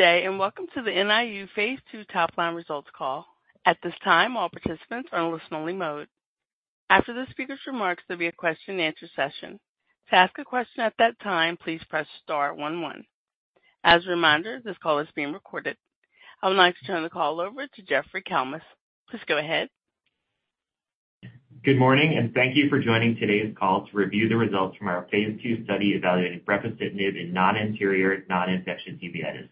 Good day and welcome to the NIU Phase 2 top-line results call. At this time, all participants are in listen-only mode. After the speaker's remarks, there'll be a question-and-answer session. To ask a question at that time, please press star 11. As a reminder, this call is being recorded. I would like to turn the call over to Jeffrey Kalmus. Please go ahead. Good morning, and thank you for joining today's call to review the results from our phase II study evaluating brepocitinib in non-anterior, non-infectious uveitis.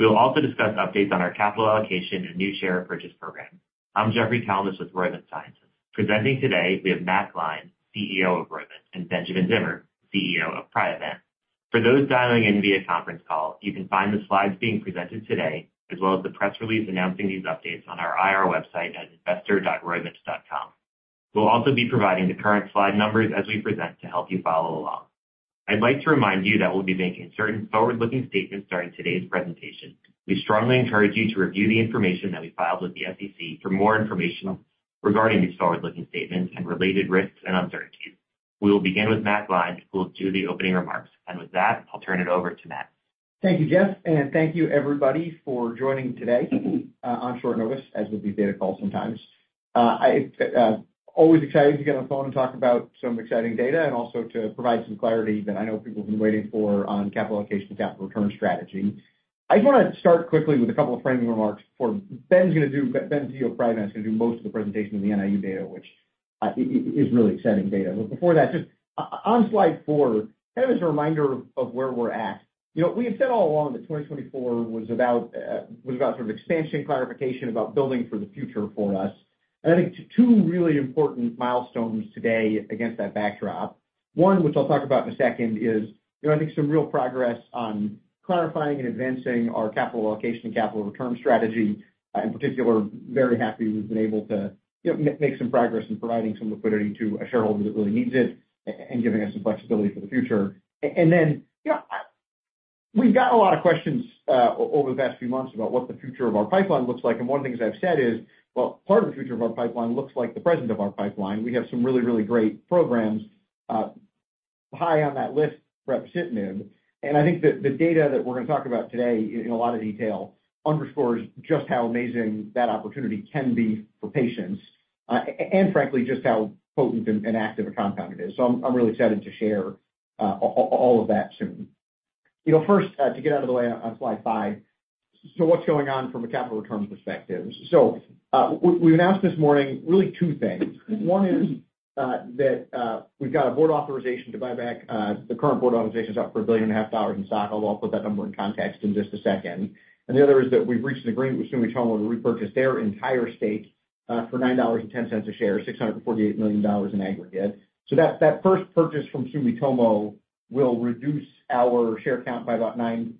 We will also discuss updates on our capital allocation and new share repurchase programs. I'm Jeffrey Kalmus with Roivant Sciences. Presenting today, we have Matt Gline, CEO of Roivant, and Benjamin Zimmer, CEO of Priovant. For those dialing in via conference call, you can find the slides being presented today as well as the press release announcing these updates on our IR website at investor.roivant.com. We'll also be providing the current slide numbers as we present to help you follow along. I'd like to remind you that we'll be making certain forward-looking statements during today's presentation. We strongly encourage you to review the information that we filed with the SEC for more information regarding these forward-looking statements and related risks and uncertainties. We will begin with Matt Gline, who will do the opening remarks. With that, I'll turn it over to Matt. Thank you, Jeff, and thank you, everybody, for joining today on short notice, as with these data calls sometimes. I'm always excited to get on the phone and talk about some exciting data and also to provide some clarity that I know people have been waiting for on capital allocation and capital return strategy. I just want to start quickly with a couple of framing remarks. Ben, CEO of Priovant, is going to do most of the presentation of the NIU data, which is really exciting data. But before that, just on slide 4, kind of as a reminder of where we're at, we had said all along that 2024 was about sort of expansion, clarification, about building for the future for us. I think two really important milestones today against that backdrop, one, which I'll talk about in a second, is I think some real progress on clarifying and advancing our capital allocation and capital return strategy. In particular, very happy we've been able to make some progress in providing some liquidity to a shareholder that really needs it and giving us some flexibility for the future. Then we've gotten a lot of questions over the past few months about what the future of our pipeline looks like. One of the things I've said is, "Well, part of the future of our pipeline looks like the present of our pipeline. We have some really, really great programs." High on that list, brepocitinib. I think that the data that we're going to talk about today in a lot of detail underscores just how amazing that opportunity can be for patients and, frankly, just how potent and active a compound it is. I'm really excited to share all of that soon. First, to get out of the way on slide 5, what's going on from a capital return perspective? We've announced this morning really two things. One is that we've got a board authorization to buy back; the current board authorization is up for $1.5 billion in stock. I'll put that number in context in just a second. The other is that we've reached an agreement with Sumitomo to repurchase their entire stake for $9.10 a share, $648 million in aggregate. That first purchase from Sumitomo will reduce our share count by about 9%.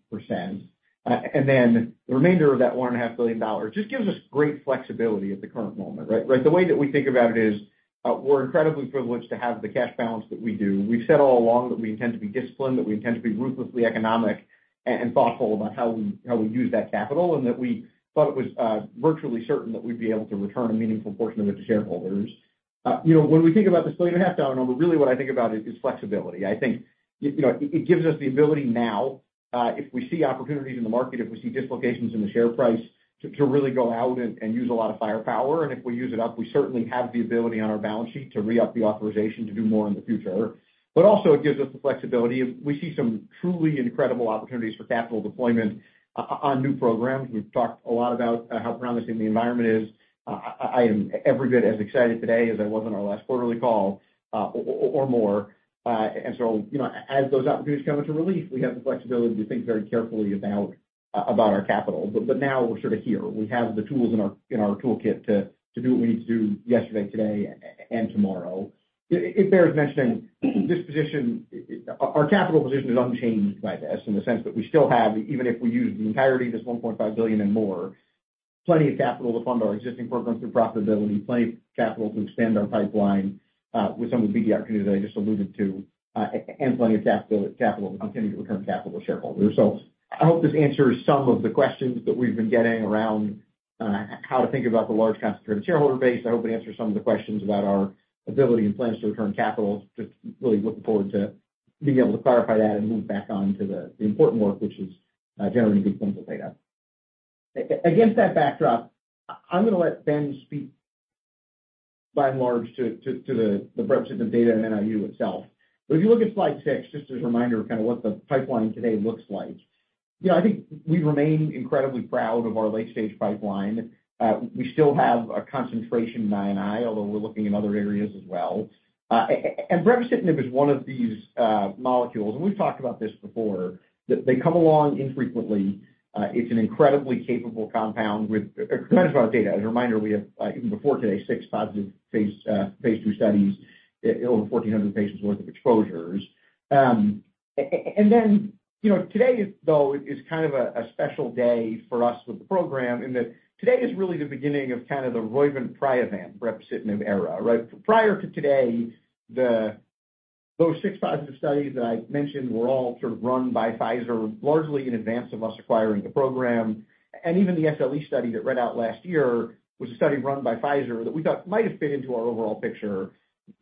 Then the remainder of that $1.5 billion just gives us great flexibility at the current moment, right? The way that we think about it is we're incredibly privileged to have the cash balance that we do. We've said all along that we intend to be disciplined, that we intend to be ruthlessly economic and thoughtful about how we use that capital, and that we thought it was virtually certain that we'd be able to return a meaningful portion of it to shareholders. When we think about this $1.5 billion number, really, what I think about is flexibility. I think it gives us the ability now, if we see opportunities in the market, if we see dislocations in the share price, to really go out and use a lot of firepower. And if we use it up, we certainly have the ability on our balance sheet to re-up the authorization to do more in the future. But also, it gives us the flexibility. We see some truly incredible opportunities for capital deployment on new programs. We've talked a lot about how promising the environment is. I am every bit as excited today as I was on our last quarterly call or more. And so as those opportunities come into relief, we have the flexibility to think very carefully about our capital. But now we're sort of here. We have the tools in our toolkit to do what we need to do yesterday, today, and tomorrow. It bears mentioning this position, our capital position is unchanged by this in the sense that we still have, even if we use the entirety of this $1.5 billion and more, plenty of capital to fund our existing programs through profitability, plenty of capital to expand our pipeline with some of the BD opportunities that I just alluded to, and plenty of capital to continue to return capital to shareholders. I hope this answers some of the questions that we've been getting around how to think about the large concentrated shareholder base. I hope it answers some of the questions about our ability and plans to return capital. Just really looking forward to being able to clarify that and move back on to the important work, which is generating good funds of data. Against that backdrop, I'm going to let Ben speak, by and large, to the brepocitinib data and NIU itself. But if you look at slide 6, just as a reminder of kind of what the pipeline today looks like, I think we remain incredibly proud of our late-stage pipeline. We still have a concentration in NIU, although we're looking in other areas as well. And brepocitinib is one of these molecules, and we've talked about this before, that they come along infrequently. It's an incredibly capable compound with a tremendous amount of data. As a reminder, we have, even before today, six positive phase II studies, over 1,400 patients' worth of exposures. And then today, though, is kind of a special day for us with the program in that today is really the beginning of kind of the Roivant-Priovant, brepocitinib era, right? Prior to today, those six positive studies that I mentioned were all sort of run by Pfizer, largely in advance of us acquiring the program. Even the SLE study that read out last year was a study run by Pfizer that we thought might have fit into our overall picture,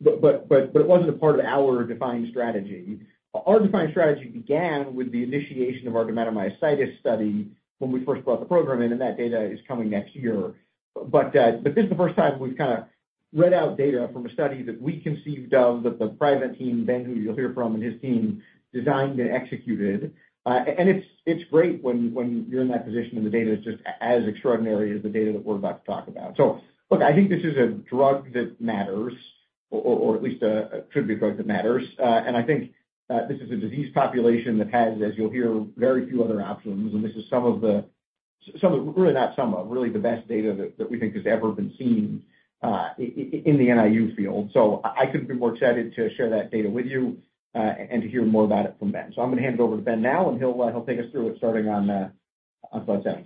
but it wasn't a part of our defined strategy. Our defined strategy began with the initiation of our dermatomyositis study when we first brought the program in, and that data is coming next year. But this is the first time we've kind of read out data from a study that we conceived of that the Priovant team, Ben, who you'll hear from and his team, designed and executed. And it's great when you're in that position and the data is just as extraordinary as the data that we're about to talk about. So look, I think this is a drug that matters, or at least it should be a drug that matters. I think this is a disease population that has, as you'll hear, very few other options. This is some of the really, not some of, really the best data that we think has ever been seen in the NIU field. So I couldn't be more excited to share that data with you and to hear more about it from Ben. So I'm going to hand it over to Ben now, and he'll take us through it starting on slide 7.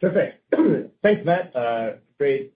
Perfect. Thanks, Matt. Great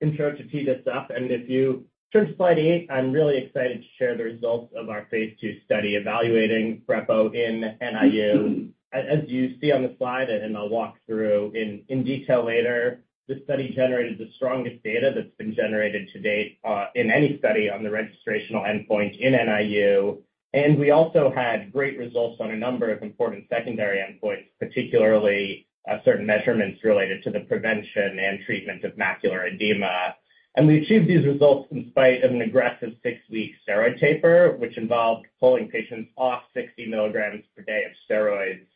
intro to tee this up. If you turn to slide 8, I'm really excited to share the results of our phase II study evaluating Brepo in NIU. As you see on the slide, and I'll walk through in detail later, this study generated the strongest data that's been generated to date in any study on the registrational endpoint in NIU. We also had great results on a number of important secondary endpoints, particularly certain measurements related to the prevention and treatment of macular edema. We achieved these results in spite of an aggressive six-week steroid taper, which involved pulling patients off 60 mg per day of steroids,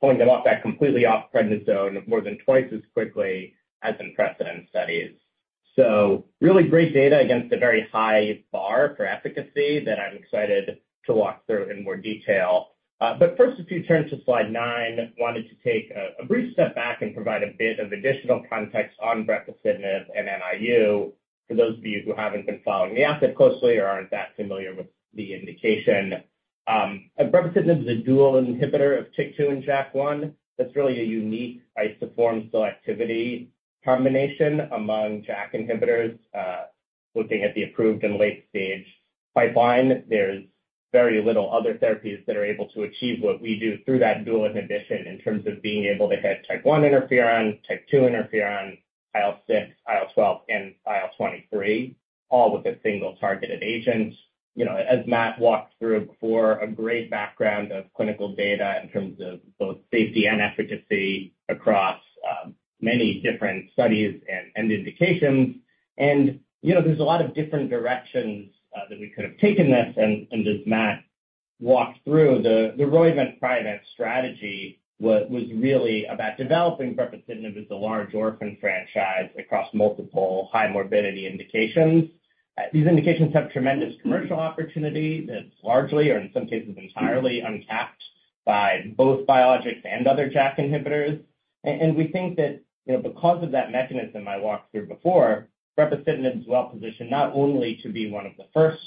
pulling them off that completely off prednisone more than twice as quickly as in precedent studies. So really great data against a very high bar for efficacy that I'm excited to walk through in more detail. But first, if you turn to slide 9, I wanted to take a brief step back and provide a bit of additional context on brepocitinib and NIU for those of you who haven't been following the asset closely or aren't that familiar with the indication. Brepocitinib is a dual inhibitor of TYK2 and JAK1. That's really a unique isoform selectivity combination among JAK inhibitors. Looking at the approved and late-stage pipeline, there's very little other therapies that are able to achieve what we do through that dual inhibition in terms of being able to hit type 1 interferon, type 2 interferon, IL-6, IL-12, and IL-23, all with a single targeted agent. As Matt walked through before, a great background of clinical data in terms of both safety and efficacy across many different studies and indications. And there's a lot of different directions that we could have taken this. As Matt walked through, the Roivant-Priovant strategy was really about developing brepocitinib as a large orphan franchise across multiple high-morbidity indications. These indications have tremendous commercial opportunity that's largely, or in some cases, entirely uncapped by both biologics and other JAK inhibitors. We think that because of that mechanism I walked through before, brepocitinib is well-positioned not only to be one of the first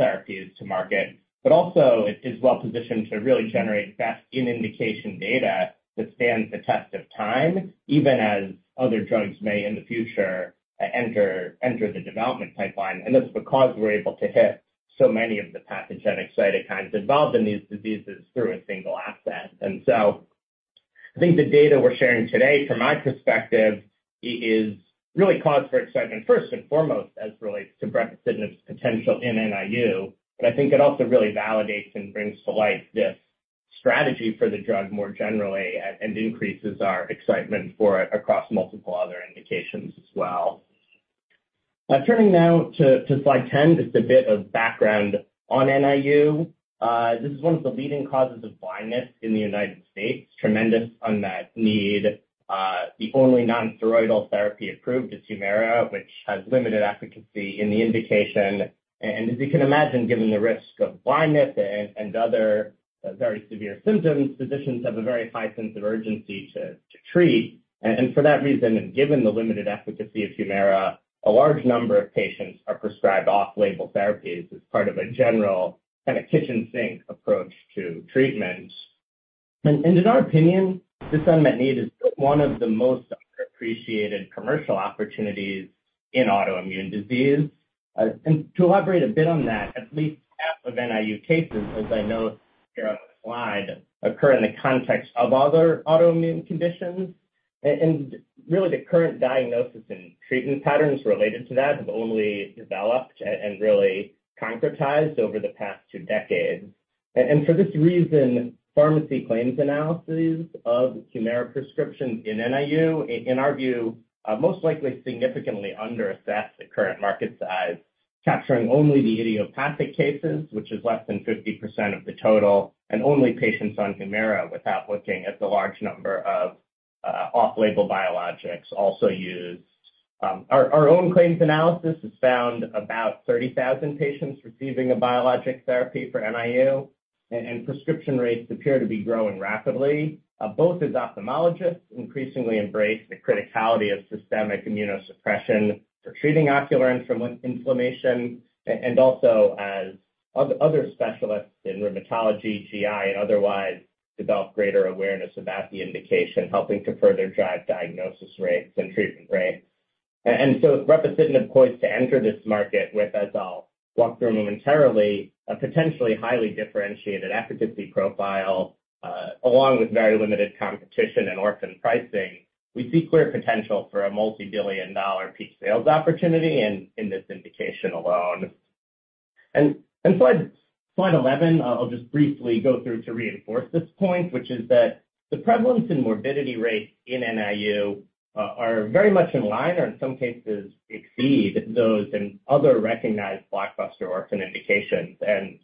therapies to market, but also it is well-positioned to really generate best-in-indication data that stands the test of time, even as other drugs may in the future enter the development pipeline. That's because we're able to hit so many of the pathogenic cytokines involved in these diseases through a single asset. So I think the data we're sharing today, from my perspective, really calls for excitement, first and foremost, as relates to brepocitinib's potential in NIU. But I think it also really validates and brings to light this strategy for the drug more generally and increases our excitement for it across multiple other indications as well. Turning now to slide 10, just a bit of background on NIU. This is one of the leading causes of blindness in the United States, a tremendous unmet need. The only nonsteroidal therapy approved is Humira, which has limited efficacy in the indication. And as you can imagine, given the risk of blindness and other very severe symptoms, physicians have a very high sense of urgency to treat. And for that reason, and given the limited efficacy of Humira, a large number of patients are prescribed off-label therapies as part of a general kind of kitchen sink approach to treatment. And in our opinion, this unmet need is one of the most underappreciated commercial opportunities in autoimmune disease. To elaborate a bit on that, at least half of NIU cases, as I note here on the slide, occur in the context of other autoimmune conditions. Really, the current diagnosis and treatment patterns related to that have only developed and really concretized over the past two decades. For this reason, pharmacy claims analyses of Humira prescriptions in NIU, in our view, most likely significantly underassess the current market size, capturing only the idiopathic cases, which is less than 50% of the total, and only patients on Humira without looking at the large number of off-label biologics also used. Our own claims analysis has found about 30,000 patients receiving a biologic therapy for NIU. Prescription rates appear to be growing rapidly. Both his ophthalmologists increasingly embrace the criticality of systemic immunosuppression for treating ocular inflammation and also as other specialists in rheumatology, GI, and otherwise develop greater awareness about the indication, helping to further drive diagnosis rates and treatment rates. And so brepocitinib poised to enter this market with, as I'll walk through momentarily, a potentially highly differentiated efficacy profile, along with very limited competition and orphan pricing, we see clear potential for a multibillion-dollar peak sales opportunity in this indication alone. And slide 11, I'll just briefly go through to reinforce this point, which is that the prevalence and morbidity rates in NIU are very much in line or, in some cases, exceed those in other recognized blockbuster orphan indications. And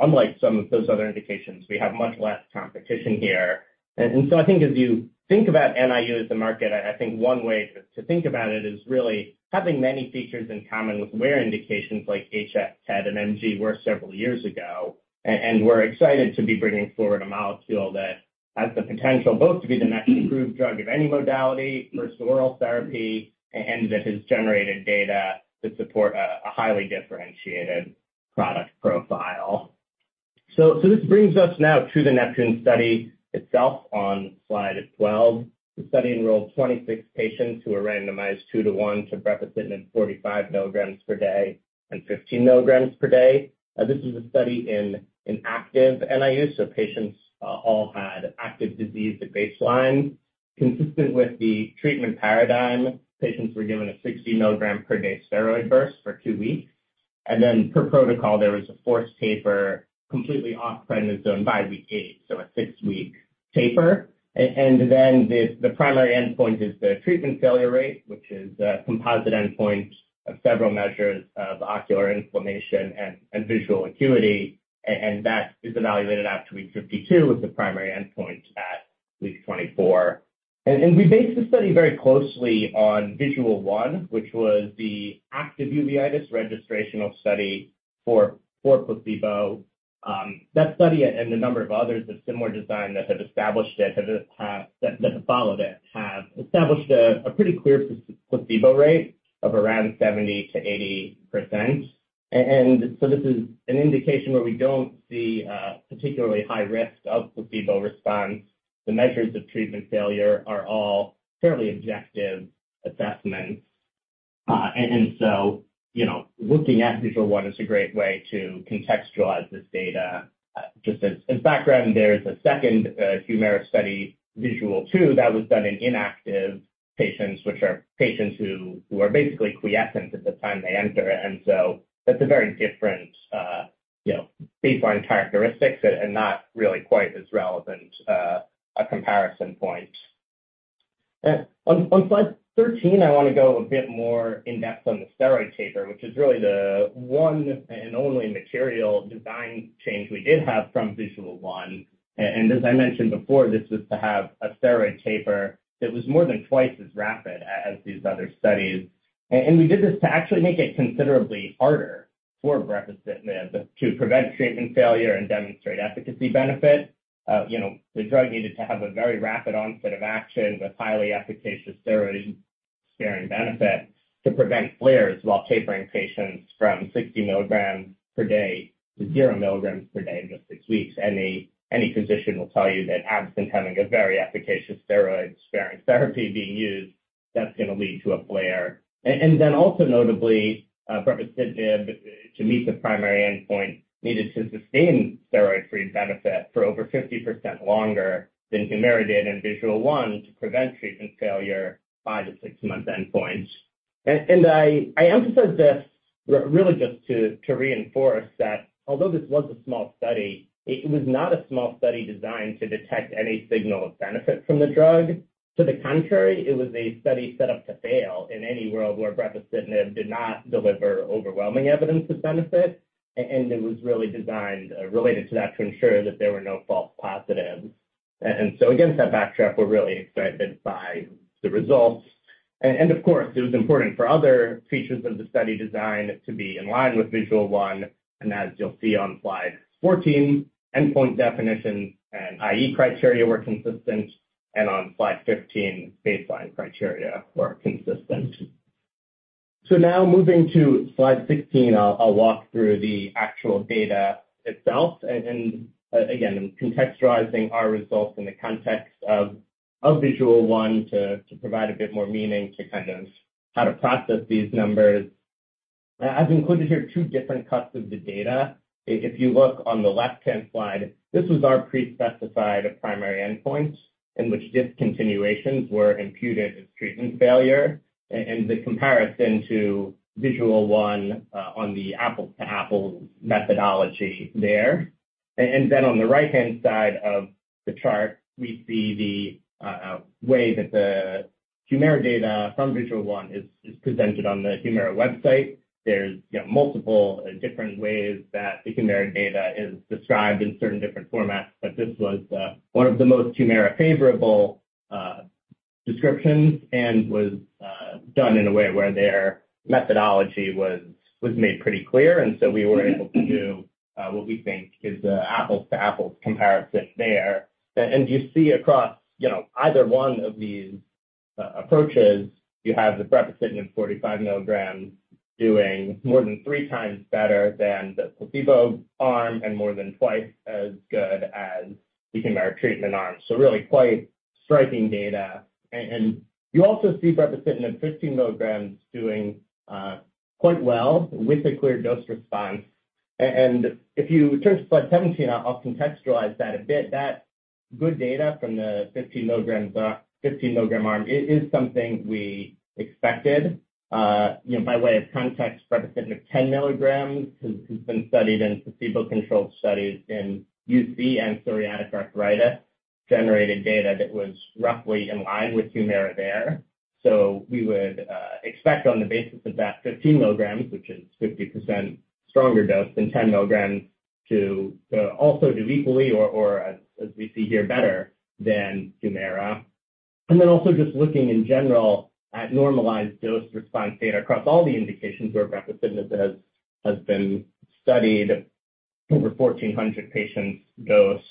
unlike some of those other indications, we have much less competition here. I think as you think about NIU as a market, I think one way to think about it is really having many features in common with where indications like HS, TED, and MG were several years ago. We're excited to be bringing forward a molecule that has the potential both to be the next approved drug of any modality, first oral therapy, and that has generated data to support a highly differentiated product profile. This brings us now to the NEPTUNE study itself on slide 12. The study enrolled 26 patients who were randomized 2 to 1 to brepocitinib 45 milligrams per day and 15 milligrams per day. This is a study in an active NIU, so patients all had active disease at baseline. Consistent with the treatment paradigm, patients were given a 60 milligrams per day steroid burst for two weeks. And then per protocol, there was a forced taper completely off prednisone by week 8, so a 6-week taper. And then the primary endpoint is the treatment failure rate, which is a composite endpoint of several measures of ocular inflammation and visual acuity. And that is evaluated after week 52 with the primary endpoint at week 24. And we based the study very closely on VISUAL I, which was the active uveitis registration study for placebo. That study and a number of others of similar design that have established it, that have followed it, have established a pretty clear placebo rate of around 70%-80%. And so this is an indication where we don't see a particularly high risk of placebo response. The measures of treatment failure are all fairly objective assessments. And so looking at VISUAL I is a great way to contextualize this data. Just as background, there is a second Humira study, VISUAL II, that was done in inactive patients, which are patients who are basically quiescent at the time they enter. And so that's a very different baseline characteristic and not really quite as relevant a comparison point. On slide 13, I want to go a bit more in-depth on the steroid taper, which is really the one and only material design change we did have from VISUAL I. And as I mentioned before, this was to have a steroid taper that was more than twice as rapid as these other studies. And we did this to actually make it considerably harder for brepocitinib to prevent treatment failure and demonstrate efficacy benefit. The drug needed to have a very rapid onset of action with highly efficacious steroid-sparing benefit to prevent flares while tapering patients from 60 milligrams per day to 0 milligrams per day in just six weeks. Any physician will tell you that absent having a very efficacious steroid-sparing therapy being used, that's going to lead to a flare. And then also notably, brepocitinib, to meet the primary endpoint, needed to sustain steroid-free benefit for over 50% longer than Humira did in VISUAL I to prevent treatment failure by the six-month endpoint. And I emphasize this really just to reinforce that although this was a small study, it was not a small study designed to detect any signal of benefit from the drug. To the contrary, it was a study set up to fail in any world where brepocitinib did not deliver overwhelming evidence of benefit. It was really designed related to that to ensure that there were no false positives. So against that backdrop, we're really excited by the results. Of course, it was important for other features of the study design to be in line with VISUAL I. As you'll see on slide 14, endpoint definitions and IE criteria were consistent. On slide 15, baseline criteria were consistent. Now moving to slide 16, I'll walk through the actual data itself. Again, I'm contextualizing our results in the context of VISUAL I to provide a bit more meaning to kind of how to process these numbers. I've included here two different cuts of the data. If you look on the left-hand side, this was our pre-specified primary endpoint in which discontinuations were imputed as treatment failure and the comparison to VISUAL I on the apples-to-apples methodology there. Then on the right-hand side of the chart, we see the way that the Humira data from VISUAL I is presented on the Humira website. There's multiple different ways that the Humira data is described in certain different formats. This was one of the most Humira-favorable descriptions and was done in a way where their methodology was made pretty clear. So we were able to do what we think is an apples-to-apples comparison there. You see across either one of these approaches, you have the brepocitinib 45 mg doing more than three times better than the placebo arm and more than twice as good as the Humira treatment arm. Really quite striking data. You also see brepocitinib 15 mg doing quite well with a clear dose response. If you turn to slide 17, I'll contextualize that a bit. That good data from the 15 milligram arm is something we expected. By way of context, brepocitinib 10 mg has been studied in placebo-controlled studies in UC and psoriatic arthritis, generated data that was roughly in line with Humira there. So we would expect on the basis of that 15 mg, which is 50% stronger dose than 10 mg to also do equally or, as we see here, better than Humira. And then also just looking in general at normalized dose response data across all the indications where brepocitinib has been studied, over 1,400 patients dosed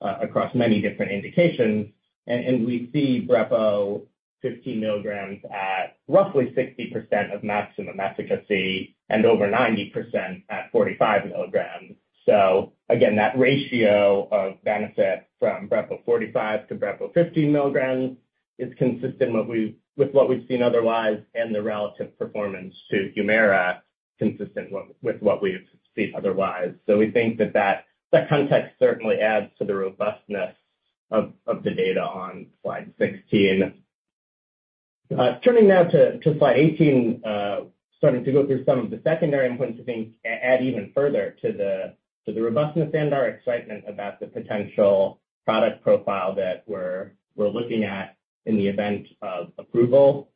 across many different indications. And we see Brepo 15 mg at roughly 60% of maximum efficacy and over 90% at 45 mg. So again, that ratio of benefit from brepocitinib 45 to brepocitinib 15 mg is consistent with what we've seen otherwise and the relative performance to Humira consistent with what we've seen otherwise. So we think that that context certainly adds to the robustness of the data on slide 16. Turning now to slide 18, starting to go through some of the secondary endpoints to think add even further to the robustness and our excitement about the potential product profile that we're looking at in the event of approval.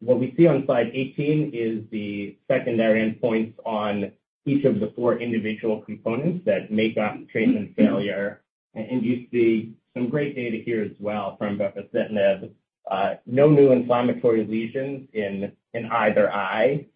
What we see on slide 18 is the secondary endpoints on each of the four individual components that make up treatment failure. And you see some great data here as well from brepocitinib. No new inflammatory lesions in either eye.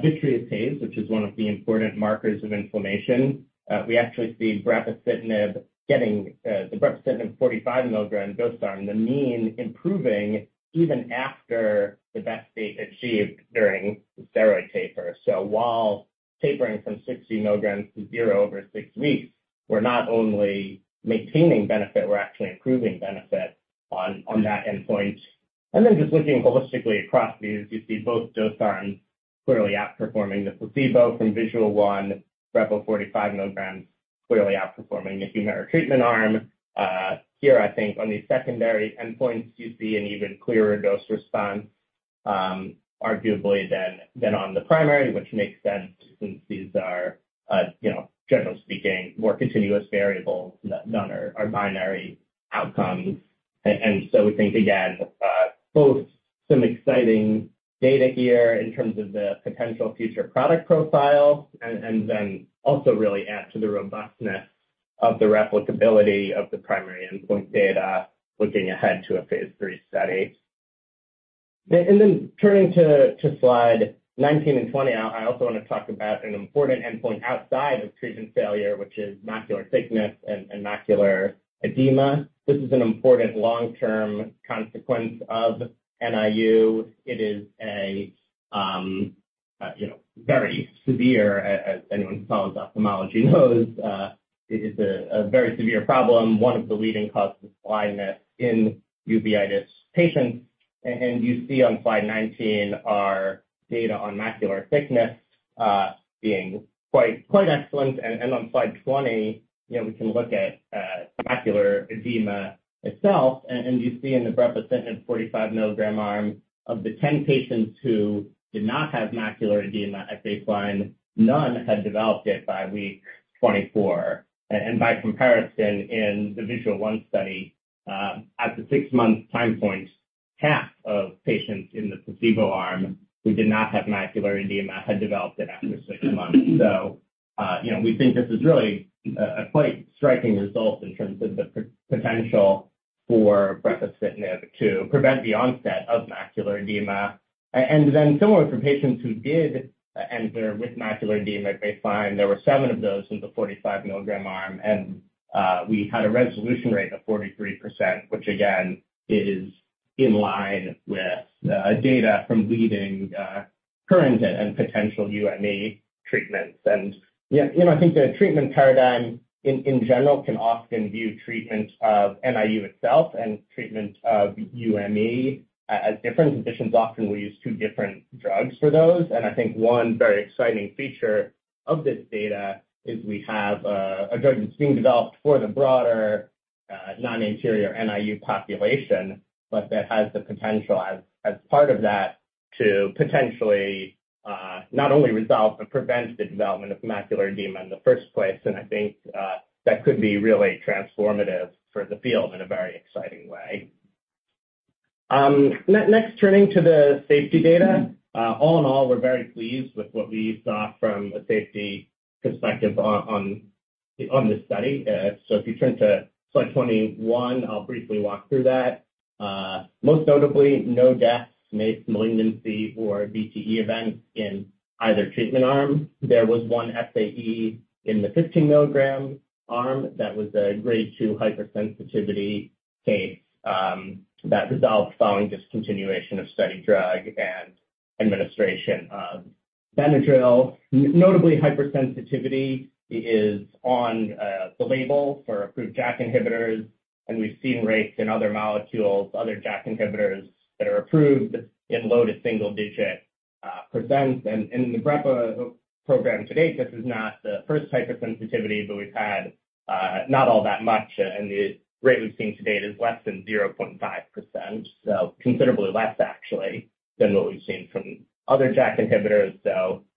Vitreous haze, which is one of the important markers of inflammation. We actually see brepocitinib getting the brepocitinib 45 mg dose arm, the mean improving even after the best state achieved during the steroid taper. So while tapering from 60 mg to 0 over 6 weeks, we're not only maintaining benefit, we're actually improving benefit on that endpoint. And then just looking holistically across these, you see both dose arms clearly outperforming the placebo from VISUAL I. Brepo 45 mg clearly outperforming the Humira treatment arm. Here, I think on these secondary endpoints, you see an even clearer dose response, arguably, than on the primary, which makes sense since these are, generally speaking, more continuous variables than are binary outcomes. So we think, again, both some exciting data here in terms of the potential future product profile and then also really add to the robustness of the replicability of the primary endpoint data looking ahead to a phase III study. Then turning to slides 19 and 20, I also want to talk about an important endpoint outside of treatment failure, which is macular thickness and macular edema. This is an important long-term consequence of NIU. It is a very severe, as anyone who follows ophthalmology knows, it is a very severe problem, one of the leading causes of blindness in uveitis patients. You see on slide 19 our data on macular thickness being quite excellent. On slide 20, we can look at macular edema itself. You see in the brepocitinib 45 milligram arm of the 10 patients who did not have macular edema at baseline, none had developed it by week 24. By comparison, in the VISUAL I study, at the 6-month time point, half of patients in the placebo arm who did not have macular edema had developed it after 6 months. So we think this is really a quite striking result in terms of the potential for brepocitinib to prevent the onset of macular edema. Then similarly, for patients who did enter with macular edema at baseline, there were 7 of those in the 45 milligram arm. And we had a resolution rate of 43%, which, again, is in line with data from leading current and potential UME treatments. And I think the treatment paradigm, in general, can often view treatment of NIU itself and treatment of UME as different. Physicians often will use two different drugs for those. And I think one very exciting feature of this data is we have a drug that's being developed for the broader non-anterior NIU population, but that has the potential, as part of that, to potentially not only resolve but prevent the development of macular edema in the first place. And I think that could be really transformative for the field in a very exciting way. Next, turning to the safety data. All in all, we're very pleased with what we saw from a safety perspective on this study. So if you turn to slide 21, I'll briefly walk through that. Most notably, no deaths, malignancy, or VTE events in either treatment arm. There was one SAE in the 15 mg arm that was a grade 2 hypersensitivity case that resolved following discontinuation of study drug and administration of Benadryl. Notably, hypersensitivity is on the label for approved JAK inhibitors. We've seen rates in other molecules, other JAK inhibitors that are approved in low to single-digit %. In the brepocitinib program to date, this is not the first hypersensitivity, but we've had not all that much. The rate we've seen to date is less than 0.5%, so considerably less, actually, than what we've seen from other JAK inhibitors.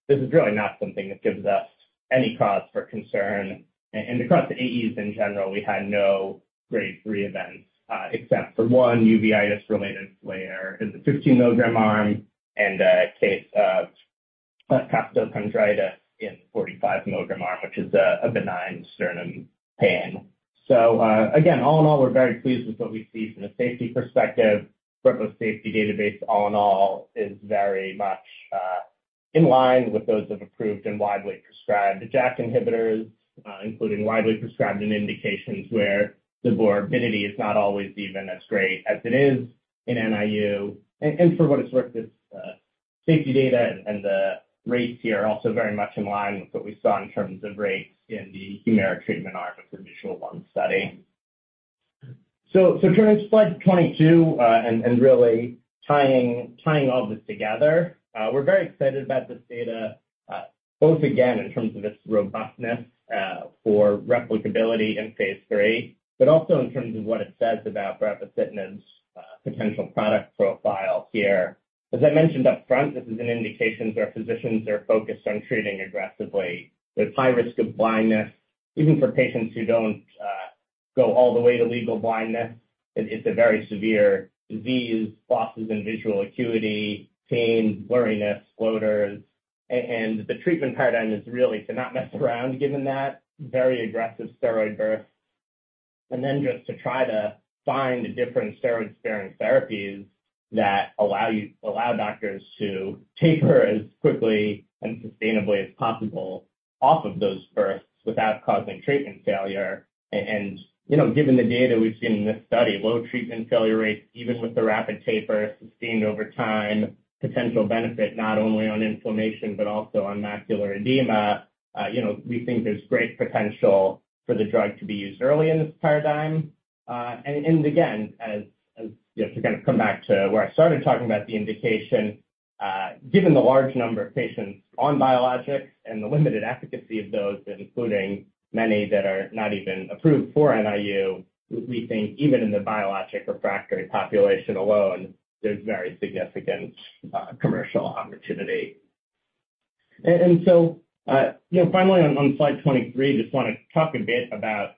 This is really not something that gives us any cause for concern. Across the AEs in general, we had no grade 3 events except for one uveitis-related flare in the 15 mg arm and a case of costochondritis in the 45 mg arm, which is a benign sternum pain. So again, all in all, we're very pleased with what we see from a safety perspective. Brepocitinib's safety database, all in all, is very much in line with those of approved and widely prescribed JAK inhibitors, including widely prescribed in indications where the morbidity is not always even as great as it is in NIU. And for what it's worth, this safety data and the rates here are also very much in line with what we saw in terms of rates in the Humira treatment arm of the VISUAL I study. So turning to slide 22 and really tying all this together, we're very excited about this data, both again in terms of its robustness for replicability in phase III, but also in terms of what it says about brepocitinib's potential product profile here. As I mentioned upfront, this is an indication where physicians are focused on treating aggressively. There's high risk of blindness, even for patients who don't go all the way to legal blindness. It's a very severe disease: losses in visual acuity, pain, blurriness, floaters. The treatment paradigm is really to not mess around, given that very aggressive steroid burst, and then just to try to find different steroid-sparing therapies that allow doctors to taper as quickly and sustainably as possible off of those bursts without causing treatment failure. Given the data we've seen in this study, low treatment failure rates, even with the rapid taper, sustained over time, potential benefit not only on inflammation but also on macular edema, we think there's great potential for the drug to be used early in this paradigm. And again, to kind of come back to where I started talking about the indication, given the large number of patients on biologics and the limited efficacy of those, including many that are not even approved for NIU, we think even in the biologic refractory population alone, there's very significant commercial opportunity. And so finally, on slide 23, I just want to talk a bit about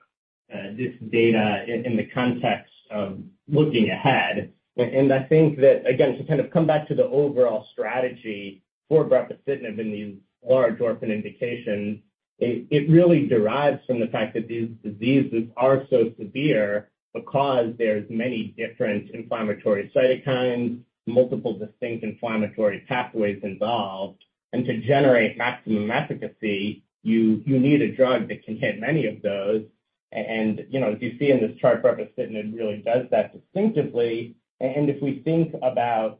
this data in the context of looking ahead. And I think that, again, to kind of come back to the overall strategy for brepocitinib in these large orphan indications, it really derives from the fact that these diseases are so severe because there's many different inflammatory cytokines, multiple distinct inflammatory pathways involved. And to generate maximum efficacy, you need a drug that can hit many of those. And as you see in this chart, brepocitinib really does that distinctively. If we think about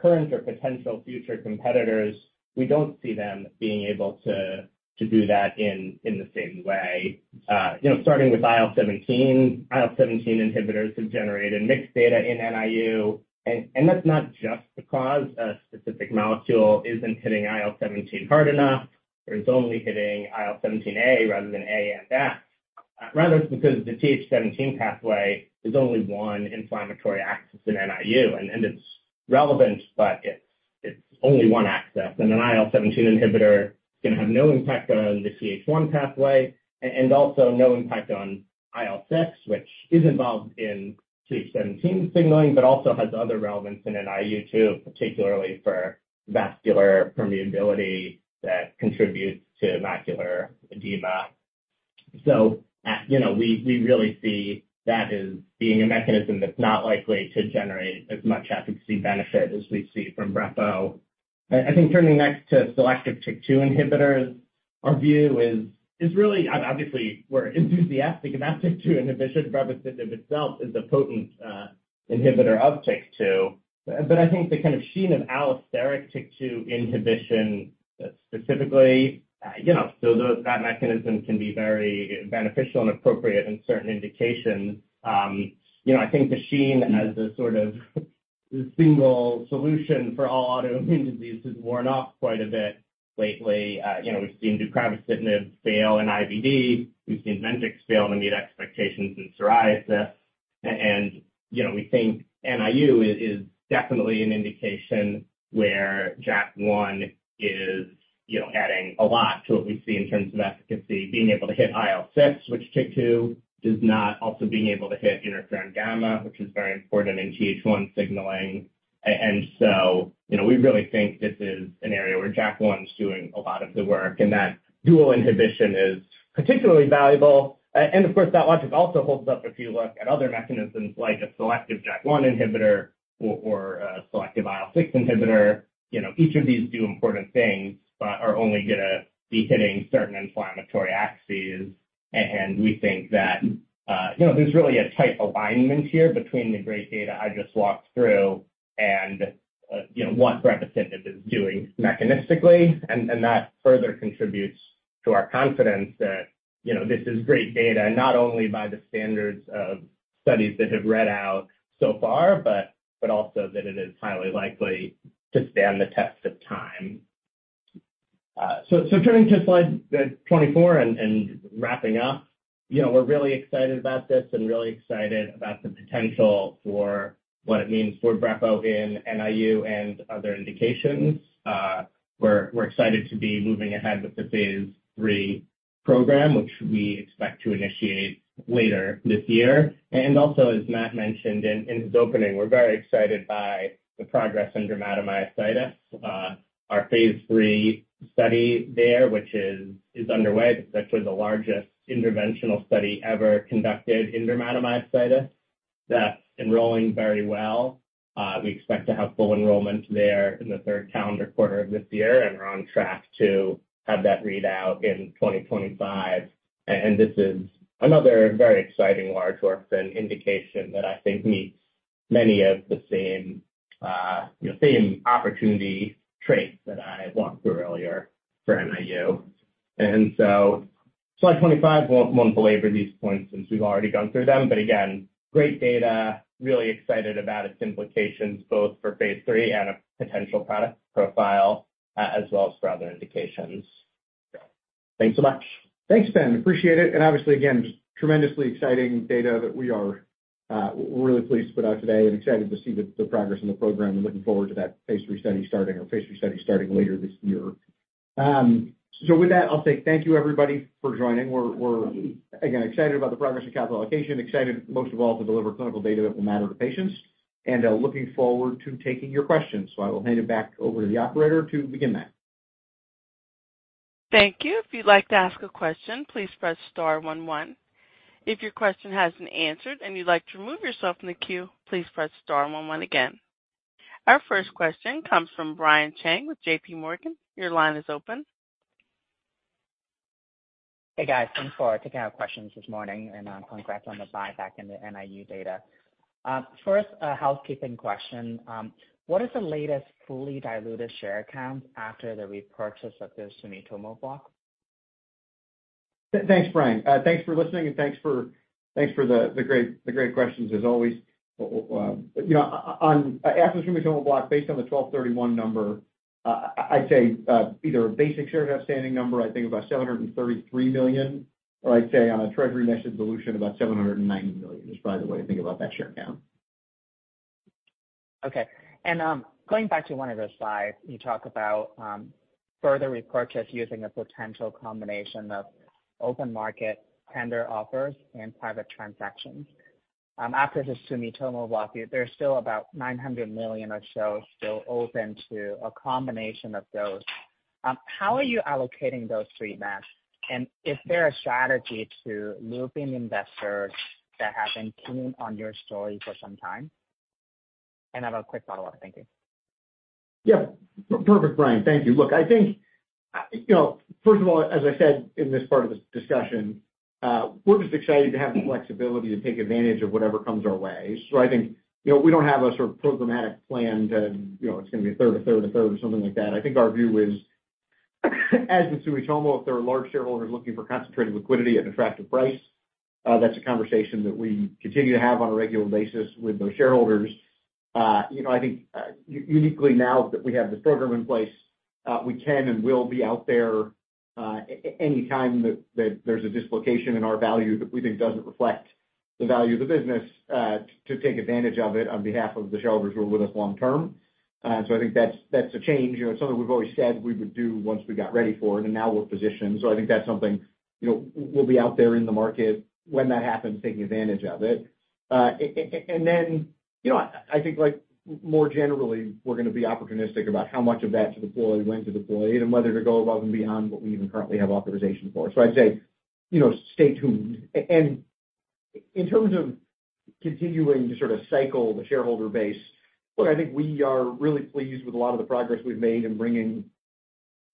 current or potential future competitors, we don't see them being able to do that in the same way. Starting with IL-17, IL-17 inhibitors have generated mixed data in NIU. That's not just because a specific molecule isn't hitting IL-17 hard enough or is only hitting IL-17A rather than A and F; rather, it's because the TH17 pathway is only one inflammatory axis in NIU. It's relevant, but it's only one axis. An IL-17 inhibitor is going to have no impact on the JAK1 pathway and also no impact on IL-6, which is involved in TH17 signaling but also has other relevance in NIU too, particularly for vascular permeability that contributes to macular edema. We really see that as being a mechanism that's not likely to generate as much efficacy benefit as we see from Brepo. I think turning next to selective TYK2 inhibitors, our view is really obviously, we're enthusiastic about TYK2 inhibition. Brepocitinib itself is a potent inhibitor of TYK2. But I think the kind of sheen of allosteric TYK2 inhibition specifically, so that mechanism can be very beneficial and appropriate in certain indications. I think the sheen as a sort of single solution for all autoimmune diseases has worn off quite a bit lately. We've seen deucravacitinib fail in IBD. We've seen Ventyx fail to meet expectations in psoriasis. And we think NIU is definitely an indication where JAK1 is adding a lot to what we see in terms of efficacy, being able to hit IL-6, which TYK2 does not, also being able to hit interferon gamma, which is very important in TH1 signaling. And so we really think this is an area where JAK1 is doing a lot of the work and that dual inhibition is particularly valuable. And of course, that logic also holds up if you look at other mechanisms like a selective JAK1 inhibitor or a selective IL-6 inhibitor. Each of these do important things but are only going to be hitting certain inflammatory axes. And we think that there's really a tight alignment here between the great data I just walked through and what brepocitinib is doing mechanistically. And that further contributes to our confidence that this is great data, not only by the standards of studies that have read out so far, but also that it is highly likely to stand the test of time. So turning to slide 24 and wrapping up, we're really excited about this and really excited about the potential for what it means for brepo in NIU and other indications. We're excited to be moving ahead with the phase III program, which we expect to initiate later this year. Also, as Matt mentioned in his opening, we're very excited by the progress in dermatomyositis, our phase III study there, which is underway. This is actually the largest interventional study ever conducted in dermatomyositis. That's enrolling very well. We expect to have full enrollment there in the third calendar quarter of this year. And we're on track to have that readout in 2025. This is another very exciting large orphan indication that I think meets many of the same opportunity traits that I walked through earlier for NIU. And so slide 25, won't belabor these points since we've already gone through them. But again, great data, really excited about its implications both for phase III and a potential product profile as well as for other indications. Thanks so much. Thanks, Ben. Appreciate it. And obviously, again, just tremendously exciting data that we are really pleased to put out today and excited to see the progress in the program and looking forward to that phase III study starting or phase III study starting later this year. So with that, I'll say thank you, everybody, for joining. We're, again, excited about the progress in capital allocation, excited most of all to deliver clinical data that will matter to patients. And looking forward to taking your questions. So I will hand it back over to the operator to begin that. Thank you. If you'd like to ask a question, please press star 11. If your question hasn't answered and you'd like to remove yourself from the queue, please press star 11 again. Our first question comes from Brian Cheng with JP Morgan. Your line is open. Hey, guys. I'm sorry. I'm taking questions this morning. Congrats on the buyback and the NIU data. First, a housekeeping question. What is the latest fully diluted share count after the repurchase of the Sumitomo block? Thanks, Brian. Thanks for listening, and thanks for the great questions as always. After the Sumitomo block, based on the 12/31 number, I'd say either a basic share outstanding number, I think about 733 million, or I'd say on a treasury method dilution, about 790 million is probably the way to think about that share count. Okay. Going back to one of your slides, you talk about further repurchase using a potential combination of open market, tender offers, and private transactions. After the Sumitomo block, there's still about $900 million or so still open to a combination of those. How are you allocating those three methods? And is there a strategy to loop in investors that have been keen on your story for some time? And I have a quick follow-up. Thank you. Yeah. Perfect, Brian. Thank you. Look, I think, first of all, as I said in this part of this discussion, we're just excited to have the flexibility to take advantage of whatever comes our way. So I think we don't have a sort of programmatic plan to it's going to be a third, a third, a third, or something like that. I think our view is, as with Sumitomo, if there are large shareholders looking for concentrated liquidity at an attractive price, that's a conversation that we continue to have on a regular basis with those shareholders. I think uniquely now that we have this program in place, we can and will be out there anytime that there's a dislocation in our value that we think doesn't reflect the value of the business to take advantage of it on behalf of the shareholders who are with us long term. And so I think that's a change. It's something we've always said we would do once we got ready for it. And now we're positioned. So I think that's something we'll be out there in the market when that happens, taking advantage of it. And then I think more generally, we're going to be opportunistic about how much of that to deploy, when to deploy, and whether to go above and beyond what we even currently have authorization for. So I'd say stay tuned. And in terms of continuing to sort of cycle the shareholder base, look, I think we are really pleased with a lot of the progress we've made in bringing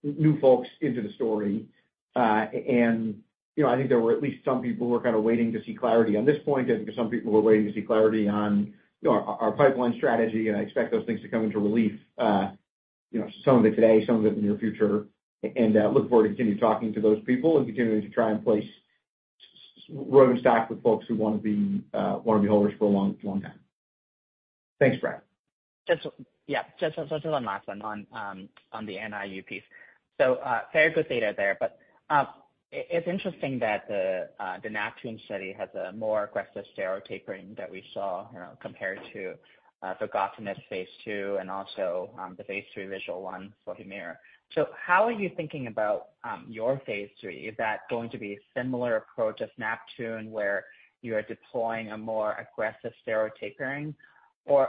new folks into the story. And I think there were at least some people who were kind of waiting to see clarity on this point. I think some people were waiting to see clarity on our pipeline strategy. I expect those things to come into relief, some of it today, some of it in the near future. And look forward to continuing to talking to those people and continuing to try and place Roivant stock with folks who want to be holders for a long time. Thanks, Brian. Yeah. Just to unlock on the NIU piece. So very good data there. But it's interesting that the NEPTUNE study has a more aggressive steroid tapering than we saw compared to the NEPTUNE phase II and also the phase III VISUAL I for Humira. So how are you thinking about your phase III? Is that going to be a similar approach as NEPTUNE where you are deploying a more aggressive steroid tapering? Or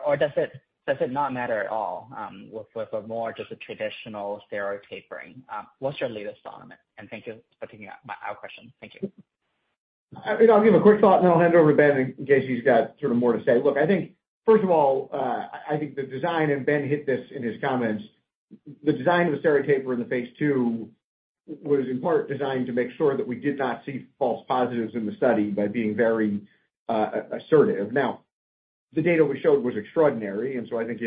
does it not matter at all with more just a traditional steroid tapering? What's your latest on it? And thank you for taking my question. Thank you. I'll give a quick thought, and then I'll hand over to Ben in case he's got sort of more to say. Look, I think, first of all, I think the design and Ben hit this in his comments. The design of a steroid taper in the phase II was in part designed to make sure that we did not see false positives in the study by being very assertive. Now, the data we showed was extraordinary. And so I think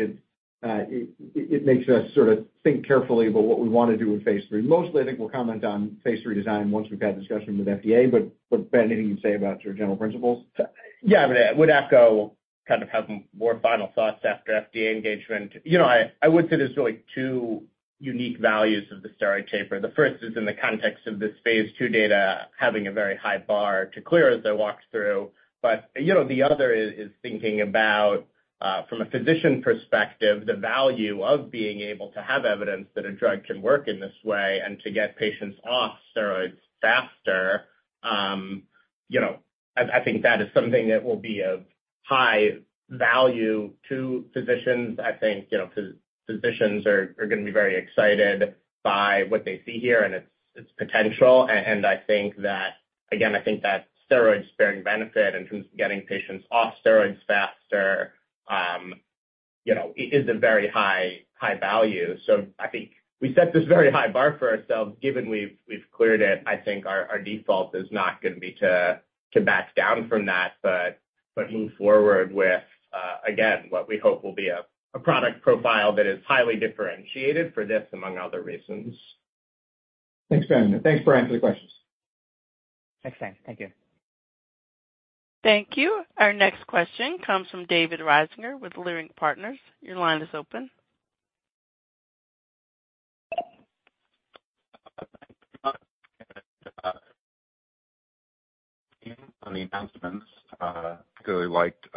it makes us sort of think carefully about what we want to do in phase III. Mostly, I think we'll comment on phase III design once we've had a discussion with FDA. But Ben, anything you'd say about sort of general principles? Yeah. I mean, I would echo kind of have more final thoughts after FDA engagement. I would say there's really two unique values of the steroid taper. The first is in the context of this phase II data having a very high bar to clear as I walked through. But the other is thinking about, from a physician perspective, the value of being able to have evidence that a drug can work in this way and to get patients off steroids faster. I think that is something that will be of high value to physicians. I think physicians are going to be very excited by what they see here. And it's potential. And I think that, again, I think that steroid-sparing benefit in terms of getting patients off steroids faster is a very high value. So I think we set this very high bar for ourselves. Given we've cleared it, I think our default is not going to be to back down from that but move forward with, again, what we hope will be a product profile that is highly differentiated for this among other reasons. Thanks, Ben. Thanks, Brian, for the questions. Thanks, Sam. Thank you. Thank you. Our next question comes from David Risinger with Leerink Partners. Your line is open. Thank you, Matt, and Kim on the announcements. I really liked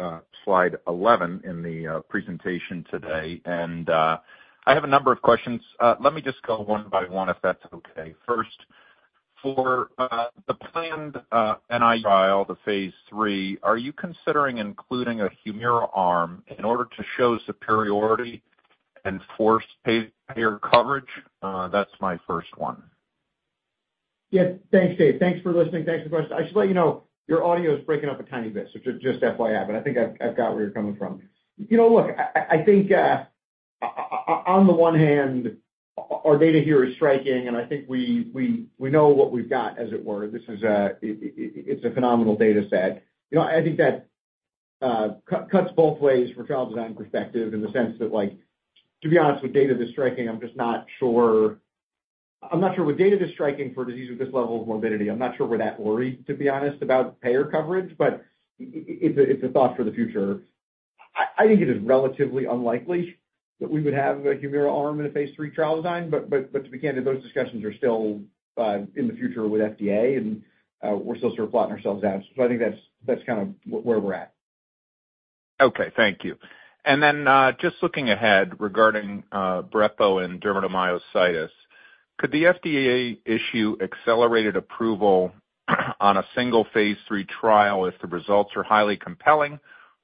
slide 11 in the presentation today. I have a number of questions. Let me just go one by one if that's okay. First, for the planned NIU trial, the phase III, are you considering including a Humira arm in order to show superiority and force payer coverage? That's my first one. Yes. Thanks, Dave. Thanks for listening. Thanks for the question. I should let you know your audio is breaking up a tiny bit, so just FYI. But I think I've got where you're coming from. Look, I think on the one hand, our data here is striking. And I think we know what we've got, as it were. It's a phenomenal dataset. I think that cuts both ways from a trial design perspective in the sense that, to be honest, with data that's striking, I'm just not sure I'm not sure with data that's striking for disease with this level of morbidity, I'm not sure we're that worried, to be honest, about payer coverage. But it's a thought for the future. I think it is relatively unlikely that we would have a Humira arm in a phase III trial design. But to be candid, those discussions are still in the future with FDA. And we're still sort of plotting ourselves out. So I think that's kind of where we're at. Okay. Thank you. And then just looking ahead regarding Brepo and dermatomyositis, could the FDA issue accelerated approval on a single Phase III trial if the results are highly compelling? Or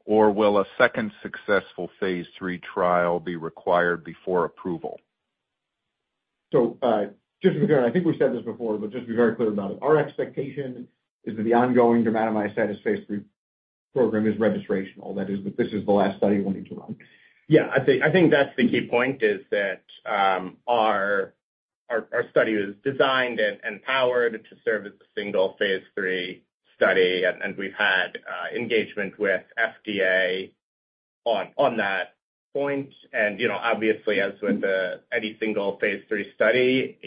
will a second successful Phase III trial be required before approval? Just to be clear, and I think we've said this before, but just to be very clear about it, our expectation is that the ongoing dermatomyositis phase III program is registrational. That is, this is the last study we'll need to run. Yeah. I think that's the key point, is that our study was designed and powered to serve as a single phase III study. We've had engagement with FDA on that point. Obviously, as with any single phase III study,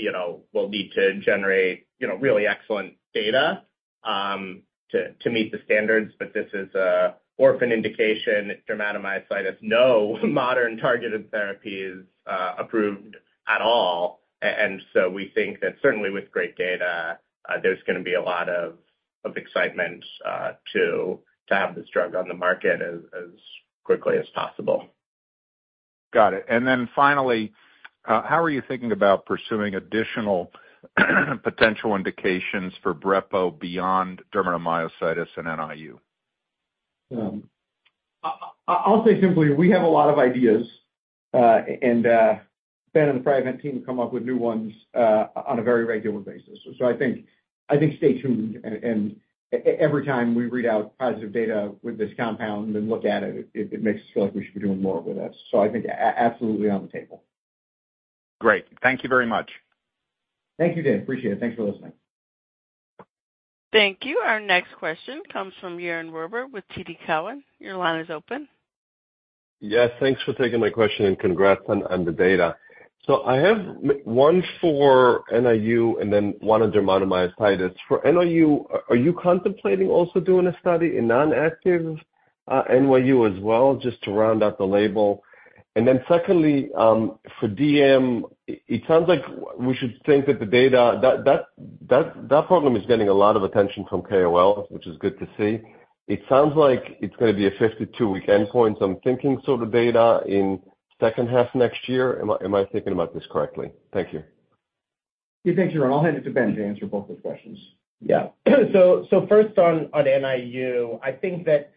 we'll need to generate really excellent data to meet the standards. But this is an orphan indication. Dermatomyositis, no modern targeted therapy is approved at all. So we think that certainly with great data, there's going to be a lot of excitement to have this drug on the market as quickly as possible. Got it. And then finally, how are you thinking about pursuing additional potential indications for Brepo beyond dermatomyositis and NIU? I'll say simply, we have a lot of ideas. And Ben and the Priovant team come up with new ones on a very regular basis. So I think stay tuned. And every time we read out positive data with this compound and look at it, it makes us feel like we should be doing more with it. So I think absolutely on the table. Great. Thank you very much. Thank you, David. Appreciate it. Thanks for listening. Thank you. Our next question comes from Yaron Werber with TD Cowen. Your line is open. Yes. Thanks for taking my question and congrats on the data. So I have one for NIU and then one on dermatomyositis. For NIU, are you contemplating also doing a study in non-active NIU as well, just to round out the label? And then secondly, for DM, it sounds like we should think that the data that program is getting a lot of attention from KOLs, which is good to see. It sounds like it's going to be a 52-week endpoint. So I'm thinking sort of data in second half next year. Am I thinking about this correctly? Thank you. Yeah. Thanks, Yaron. I'll hand it to Ben to answer both those questions. Yeah. So first on NIU, I think that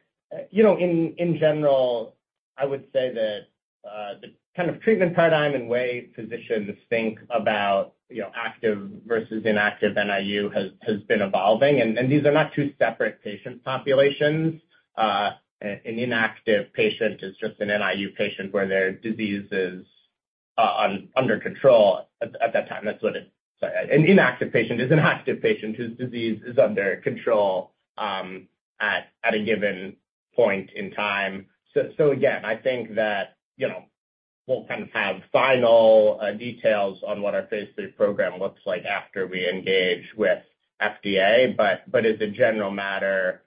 in general, I would say that the kind of treatment paradigm and way physicians think about active versus inactive NIU has been evolving. And these are not two separate patient populations. An inactive patient is just an NIU patient where their disease is under control at that time. An inactive patient is an active patient whose disease is under control at a given point in time. So again, I think that we'll kind of have final details on what our phase III program looks like after we engage with FDA. But as a general matter,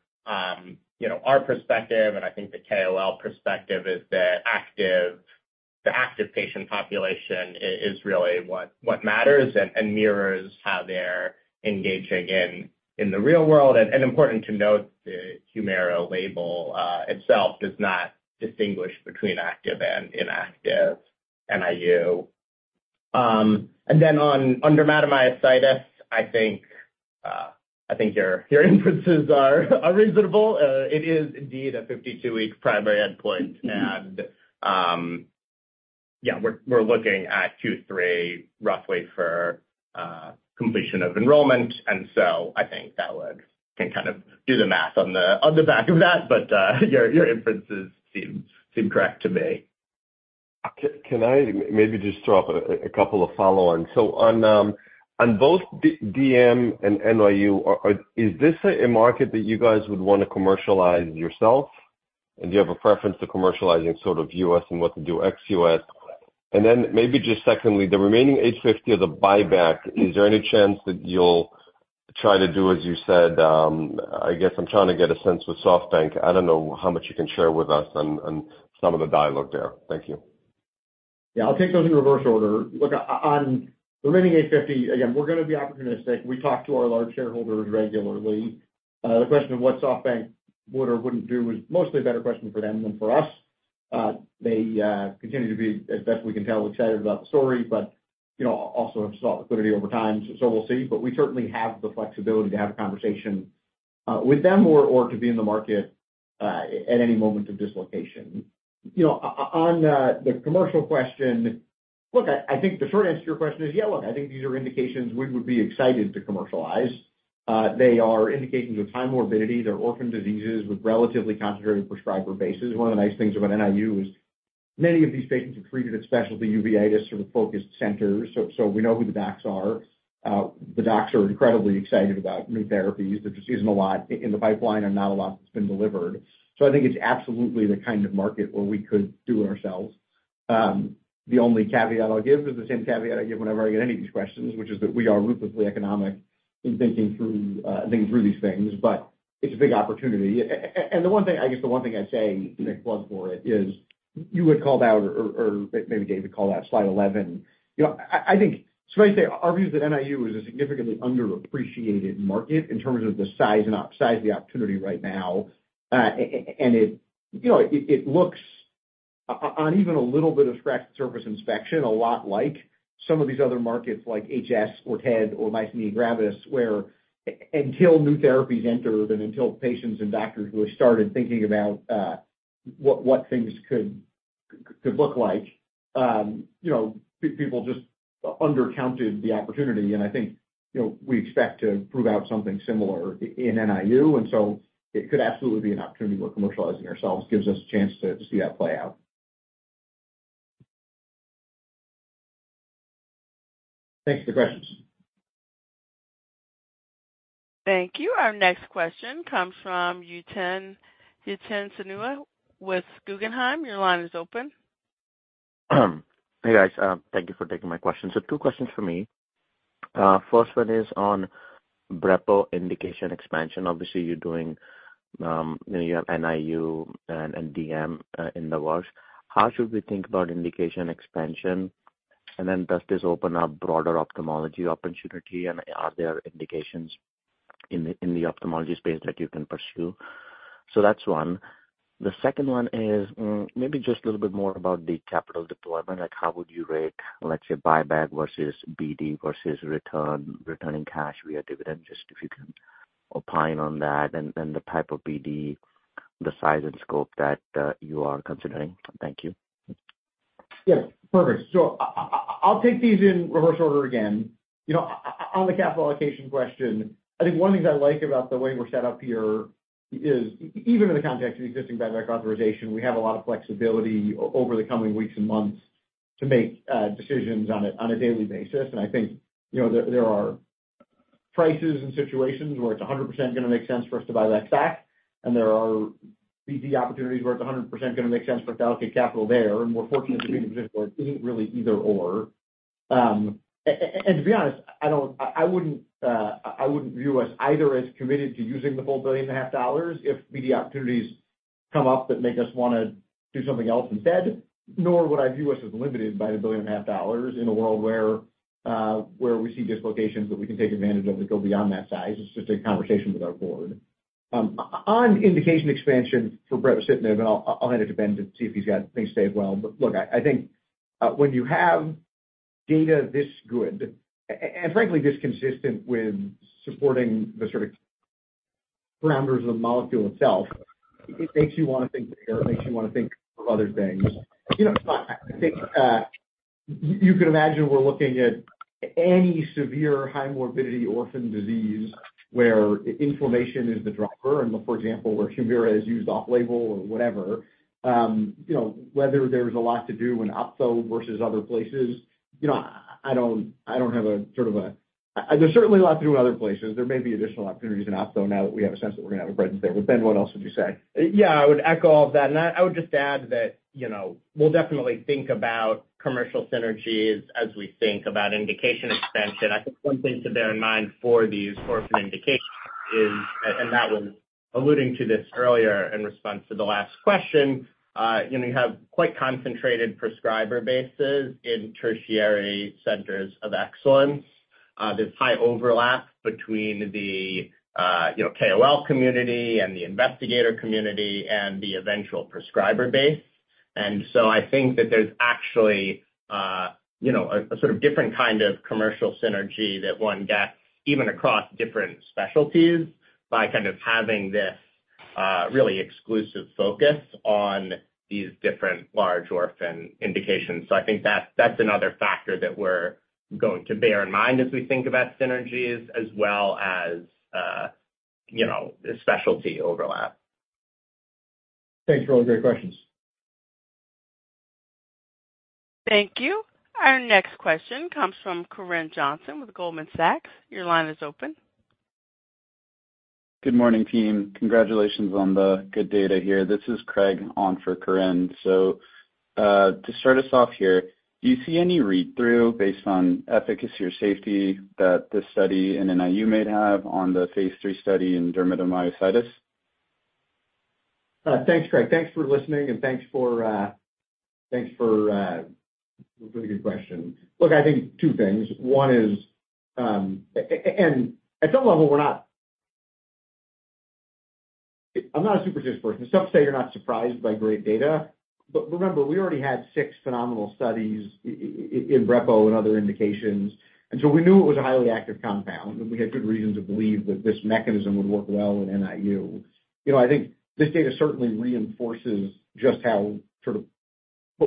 our perspective, and I think the KOL perspective, is that the active patient population is really what matters and mirrors how they're engaging in the real world. And important to note, the Humira label itself does not distinguish between active and inactive NIU. And then on dermatomyositis, I think your inferences are reasonable. It is indeed a 52-week primary endpoint. And yeah, we're looking at Q3 roughly for completion of enrollment. And so I think that can kind of do the math on the back of that. But your inferences seem correct to me. Can I maybe just throw up a couple of follow-ons? So on both DM and NIU, is this a market that you guys would want to commercialize yourself? And do you have a preference to commercializing sort of US and what to do ex-US? And then maybe just secondly, the remaining $8.50 or the buyback, is there any chance that you'll try to do, as you said I guess I'm trying to get a sense with SoftBank. I don't know how much you can share with us on some of the dialogue there. Thank you. Yeah. I'll take those in reverse order. Look, on the remaining $50, again, we're going to be opportunistic. We talk to our large shareholders regularly. The question of what SoftBank would or wouldn't do was mostly a better question for them than for us. They continue to be, as best we can tell, excited about the story but also have sought liquidity over time. So we'll see. But we certainly have the flexibility to have a conversation with them or to be in the market at any moment of dislocation. On the commercial question, look, I think the short answer to your question is, yeah, look, I think these are indications we would be excited to commercialize. They are indications of high morbidity. They're orphan diseases with relatively concentrated prescriber bases. One of the nice things about NIU is many of these patients are treated at specialty uveitis sort of focused centers. So we know who the docs are. The docs are incredibly excited about new therapies. There just isn't a lot in the pipeline or not a lot that's been delivered. So I think it's absolutely the kind of market where we could do it ourselves. The only caveat I'll give is the same caveat I give whenever I get any of these questions, which is that we are ruthlessly economic in thinking through these things. But it's a big opportunity. And I guess the one thing I'd say in a plug for it is you had called out or maybe David called out slide 11. I think, so if I say, our view is that NIU is a significantly underappreciated market in terms of the size and opportunity right now. It looks, on even a little bit of scratch-the-surface inspection, a lot like some of these other markets like HS or TED or myasthenia gravis where until new therapies entered and until patients and doctors really started thinking about what things could look like, people just undercounted the opportunity. I think we expect to prove out something similar in NIU. So it could absolutely be an opportunity where commercializing ourselves gives us a chance to see that play out. Thanks for the questions. Thank you. Our next question comes from Yatin Suneja with Guggenheim. Your line is open. Hey, guys. Thank you for taking my question. So two questions for me. First one is on Brepo indication expansion. Obviously, you have NIU and DM in the works. How should we think about indication expansion? And then does this open up broader ophthalmology opportunity? And are there indications in the ophthalmology space that you can pursue? So that's one. The second one is maybe just a little bit more about the capital deployment. How would you rate, let's say, buyback versus BD versus returning cash via dividend, just if you can opine on that, and then the type of BD, the size and scope that you are considering? Thank you. Yeah. Perfect. So I'll take these in reverse order again. On the capital allocation question, I think one of the things I like about the way we're set up here is even in the context of existing buyback authorization, we have a lot of flexibility over the coming weeks and months to make decisions on a daily basis. And I think there are prices and situations where it's 100% going to make sense for us to buy back stock. And there are BD opportunities where it's 100% going to make sense for us to allocate capital there. And we're fortunate to be in a position where it isn't really either/or. And to be honest, I wouldn't view us either as committed to using the full $1.5 billion if BD opportunities come up that make us want to do something else instead. Nor would I view us as limited by $1.5 billion in a world where we see dislocations that we can take advantage of that go beyond that size. It's just a conversation with our board. On indication expansion for brepocitinib, and I'll hand it to Ben to see if he's got things stayed well. But look, I think when you have data this good and frankly, this consistent with supporting the sort of parameters of the molecule itself, it makes you want to think bigger. It makes you want to think of other things. I think you could imagine we're looking at any severe high morbidity orphan disease where inflammation is the driver. For example, where Humira is used off-label or whatever, whether there's a lot to do in Ophtho versus other places, I don't have a sort of a. There's certainly a lot to do in other places. There may be additional opportunities in Ophtho now that we have a sense that we're going to have a presence there. But Ben, what else would you say? Yeah. I would echo all of that. I would just add that we'll definitely think about commercial synergies as we think about indication expansion. I think one thing to bear in mind for these orphan indications is, and that was alluding to this earlier in response to the last question. You have quite concentrated prescriber bases in tertiary centers of excellence. There's high overlap between the KOL community and the investigator community and the eventual prescriber base. And so I think that there's actually a sort of different kind of commercial synergy that one gets even across different specialties by kind of having this really exclusive focus on these different large orphan indications. So I think that's another factor that we're going to bear in mind as we think about synergies as well as specialty overlap. Thanks for all the great questions. Thank you. Our next question comes from Corinne Johnson with Goldman Sachs. Your line is open. Good morning, team. Congratulations on the good data here. This is Graig on for Corinne. So to start us off here, do you see any read-through based on efficacy or safety that this study in NIU may have on the phase III study in Dermatomyositis? Thanks, Graig. Thanks for listening. And thanks for a really good question. Look, I think two things. One is, at some level, I'm not a superstitious person. Some say you're not surprised by great data. But remember, we already had six phenomenal studies in Brepo and other indications. And so we knew it was a highly active compound. And we had good reasons to believe that this mechanism would work well in NIU. I think this data certainly reinforces just how sort of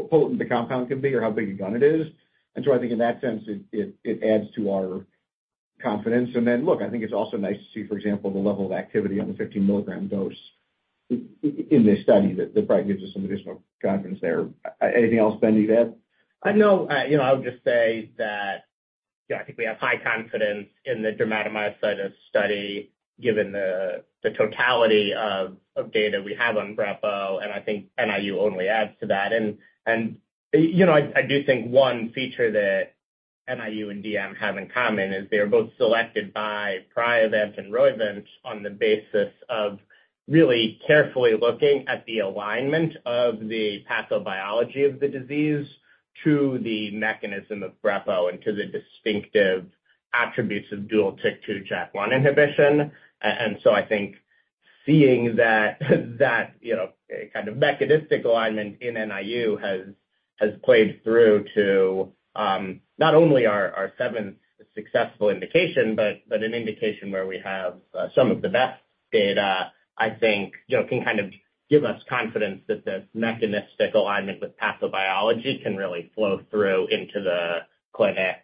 potent the compound can be or how big a gun it is. And so I think in that sense, it adds to our confidence. And then look, I think it's also nice to see, for example, the level of activity on the 15-milligram dose in this study that probably gives us some additional confidence there. Anything else, Ben? Do you have? No. I would just say that I think we have high confidence in the dermatomyositis study given the totality of data we have on Brepo. And I think NIU only adds to that. And I do think one feature that NIU and DM have in common is they are both selected by Priovant and Roivant on the basis of really carefully looking at the alignment of the pathobiology of the disease to the mechanism of Brepo and to the distinctive attributes of dual TYK2 JAK1 inhibition. And so I think seeing that kind of mechanistic alignment in NIU has played through to not only our seventh successful indication but an indication where we have some of the best data, I think, can kind of give us confidence that this mechanistic alignment with pathobiology can really flow through into the clinic.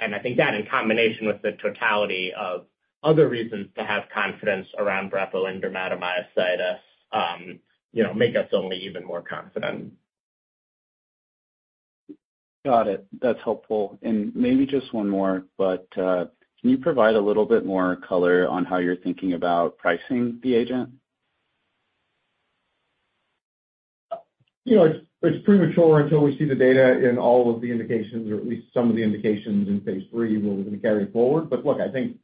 I think that in combination with the totality of other reasons to have confidence around Brepo and dermatomyositis make us only even more confident. Got it. That's helpful. Maybe just one more, but can you provide a little bit more color on how you're thinking about pricing the agent? It's premature until we see the data in all of the indications or at least some of the indications in phase III where we're going to carry it forward. But look, I think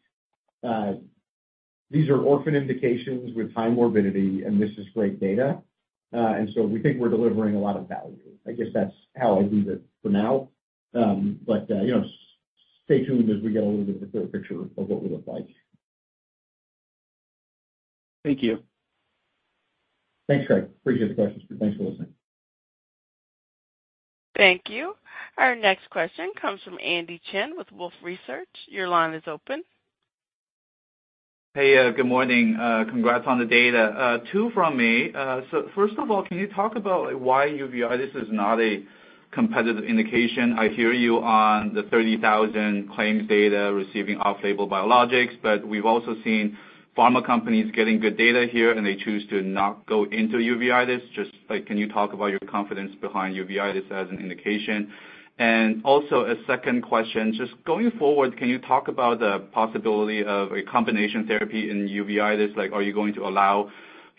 these are orphan indications with high morbidity. And this is great data. And so we think we're delivering a lot of value. I guess that's how I view it for now. But stay tuned as we get a little bit of a clearer picture of what we look like. Thank you. Thanks, Graig. Appreciate the questions. Thanks for listening. Thank you. Our next question comes from Andy Chen with Wolfe Research. Your line is open. Hey. Good morning. Congrats on the data. Two from me. So first of all, can you talk about why uveitis is not a competitive indication? I hear you on the 30,000 claims data receiving off-label biologics. But we've also seen pharma companies getting good data here, and they choose to not go into uveitis. Just can you talk about your confidence behind uveitis as an indication? And also a second question, just going forward, can you talk about the possibility of a combination therapy in uveitis? Are you going to allow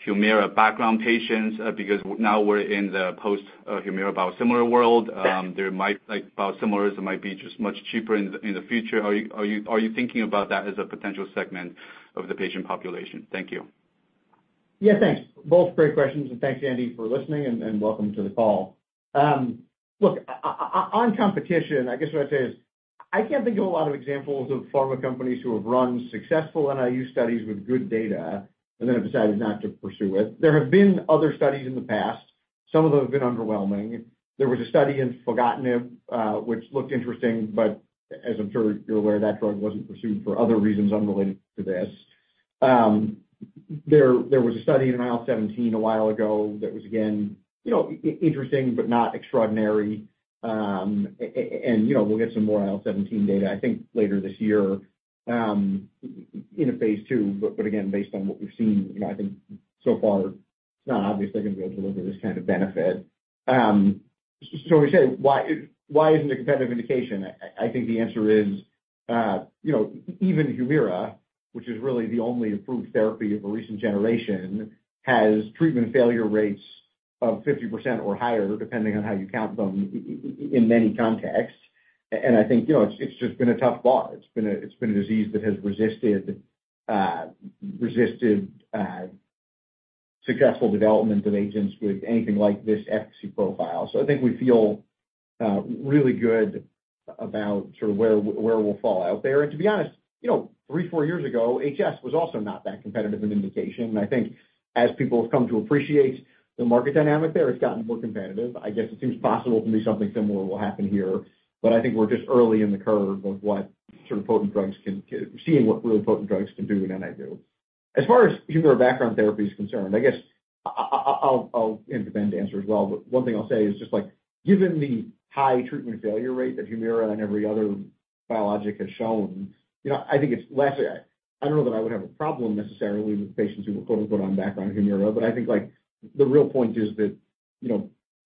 Humira background patients? Because now we're in the post-Humira biosimilar world. There might biosimilars that might be just much cheaper in the future. Are you thinking about that as a potential segment of the patient population? Thank you. Yeah. Thanks. Both great questions. And thanks, Andy, for listening. And welcome to the call. Look, on competition, I guess what I'd say is I can't think of a lot of examples of pharma companies who have run successful NIU studies with good data and then have decided not to pursue it. There have been other studies in the past. Some of them have been underwhelming. There was a study in filgotinib which looked interesting. But as I'm sure you're aware, that drug wasn't pursued for other reasons unrelated to this. There was a study in IL-17 a while ago that was, again, interesting but not extraordinary. And we'll get some more IL-17 data, I think, later this year in a phase II. But again, based on what we've seen, I think so far, it's not obvious they're going to be able to deliver this kind of benefit. So when you say, "Why isn't it a competitive indication?" I think the answer is even Humira, which is really the only approved therapy of a recent generation, has treatment failure rates of 50% or higher depending on how you count them in many contexts. And I think it's just been a tough bar. It's been a disease that has resisted successful development of agents with anything like this efficacy profile. So I think we feel really good about sort of where we'll fall out there. And to be honest, three, four years ago, HS was also not that competitive an indication. And I think as people have come to appreciate the market dynamic there, it's gotten more competitive. I guess it seems possible to me something similar will happen here. But I think we're just early in the curve of what sort of potent drugs can do, seeing what really potent drugs can do in NIU. As far as Humira background therapy is concerned, I guess I'll hand to Ben to answer as well. But one thing I'll say is just given the high treatment failure rate that Humira and every other biologic has shown, I think it's less I don't know that I would have a problem necessarily with patients who were "on background Humira." But I think the real point is that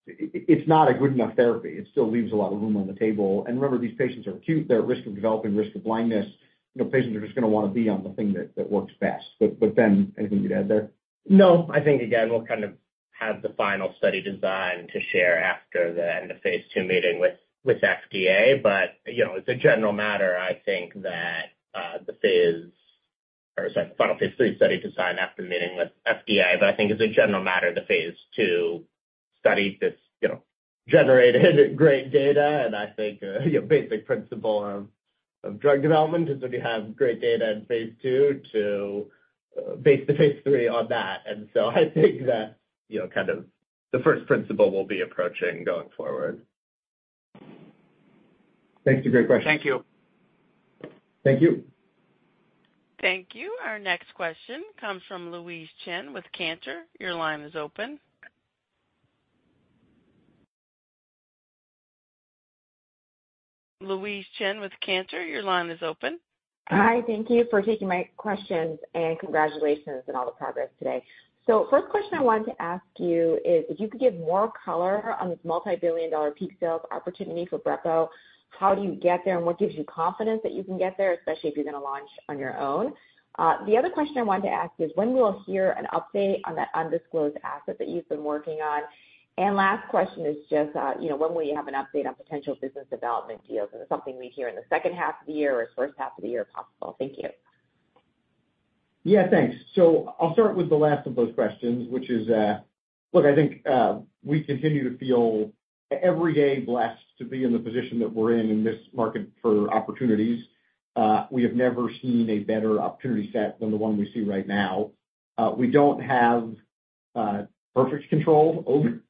it's not a good enough therapy. It still leaves a lot of room on the table. And remember, these patients are acute. They're at risk of developing risk of blindness. Patients are just going to want to be on the thing that works best. But Ben, anything you'd add there? No. I think, again, we'll kind of have the final study design to share after the end of phase II meeting with FDA. But it's a general matter, I think, that the phase or sorry, the final phase III study design after the meeting with FDA. But I think it's a general matter, the phase II study that's generated great data. And I think a basic principle of drug development is that you have great data in phase II to base the phase II on that. And so I think that kind of the first principle we'll be approaching going forward. Thanks. A great question. Thank you. Thank you. Thank you. Our next question comes from Louise Chen with Cantor. Your line is open. Louise Chen with Cantor. Your line is open. Hi. Thank you for taking my questions. Congratulations on all the progress today. First question I wanted to ask you is if you could give more color on this multibillion-dollar peak sales opportunity for Brepo, how do you get there? What gives you confidence that you can get there, especially if you're going to launch on your own? The other question I wanted to ask is when will we hear an update on that undisclosed asset that you've been working on? Last question is just when will you have an update on potential business development deals? Is it something we'd hear in the second half of the year or its first half of the year if possible? Thank you. Yeah. Thanks. So I'll start with the last of those questions, which is, look, I think we continue to feel every day blessed to be in the position that we're in in this market for opportunities. We have never seen a better opportunity set than the one we see right now. We don't have perfect control over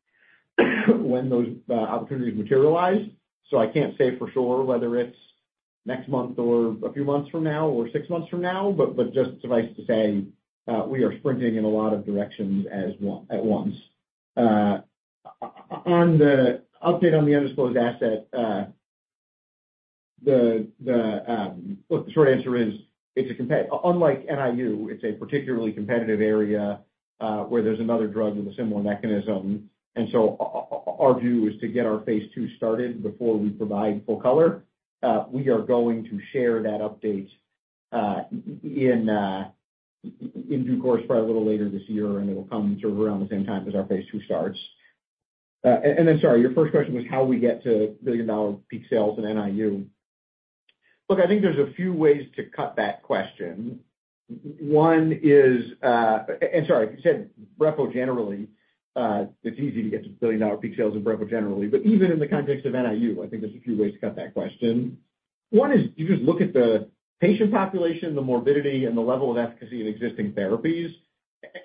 when those opportunities materialize. So I can't say for sure whether it's next month or a few months from now or six months from now. But just suffice to say, we are sprinting in a lot of directions at once. On the update on the undisclosed asset, look, the short answer is it's unlike NIU. It's a particularly competitive area where there's another drug with a similar mechanism. And so our view is to get our phase II started before we provide full color. We are going to share that update in due course, probably a little later this year. It will come sort of around the same time as our phase II starts. Sorry, your first question was how we get to billion-dollar peak sales in NIU. Look, I think there's a few ways to cut that question. One is, and sorry, you said brepocitinib generally. It's easy to get to billion-dollar peak sales in brepocitinib generally. But even in the context of NIU, I think there's a few ways to cut that question. One is you just look at the patient population, the morbidity, and the level of efficacy of existing therapies.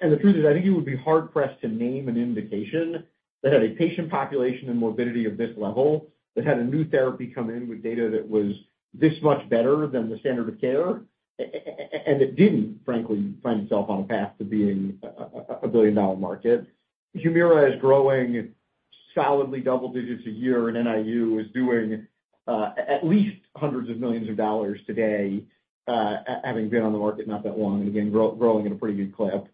The truth is, I think it would be hard-pressed to name an indication that had a patient population and morbidity of this level that had a new therapy come in with data that was this much better than the standard of care and that didn't, frankly, find itself on a path to being a billion-dollar market. Humira is growing solidly double digits a year. NIU is doing at least $hundreds of millions today, having been on the market not that long and, again, growing at a pretty good clip.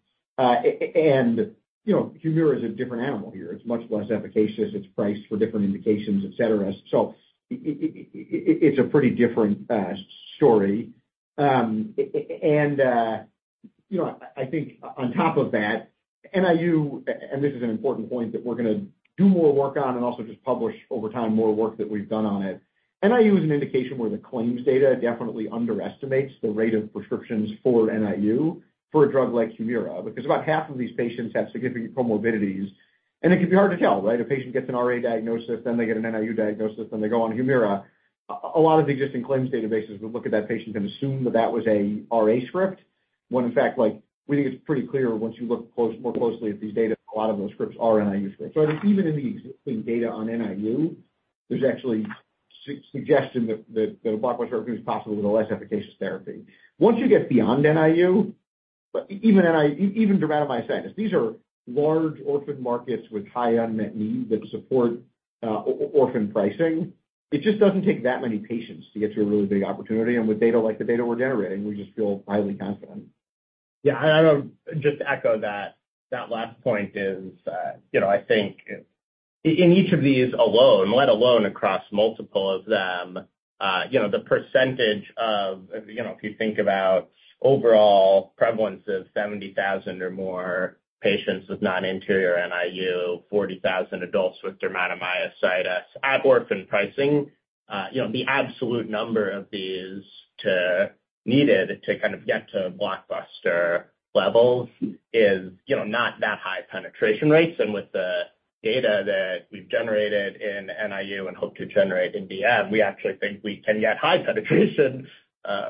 Humira is a different animal here. It's much less efficacious. It's priced for different indications, etc. So it's a pretty different story. I think on top of that, NIU—and this is an important point that we're going to do more work on and also just publish over time more work that we've done on it. NIU is an indication where the claims data definitely underestimates the rate of prescriptions for NIU for a drug like Humira because about half of these patients have significant comorbidities. It can be hard to tell, right? A patient gets an RA diagnosis. Then they get an NIU diagnosis. Then they go on Humira. A lot of the existing claims databases would look at that patient and assume that that was an RA script, when, in fact, we think it's pretty clear once you look more closely at these data, a lot of those scripts are NIU scripts. So I think even in the existing data on NIU, there's actually a suggestion that a blockbuster therapy is possible with a less efficacious therapy. Once you get beyond NIU, even Dermatomyositis, these are large orphan markets with high unmet needs that support orphan pricing. It just doesn't take that many patients to get to a really big opportunity. And with data like the data we're generating, we just feel highly confident. Yeah. And I would just echo that last point. I think in each of these alone, let alone across multiple of them, the percentage of if you think about overall prevalence of 70,000 or more patients with non-anterior NIU, 40,000 adults with dermatomyositis at orphan pricing, the absolute number of these needed to kind of get to blockbuster levels is not that high penetration rates. And with the data that we've generated in NIU and hope to generate in DM, we actually think we can get high penetration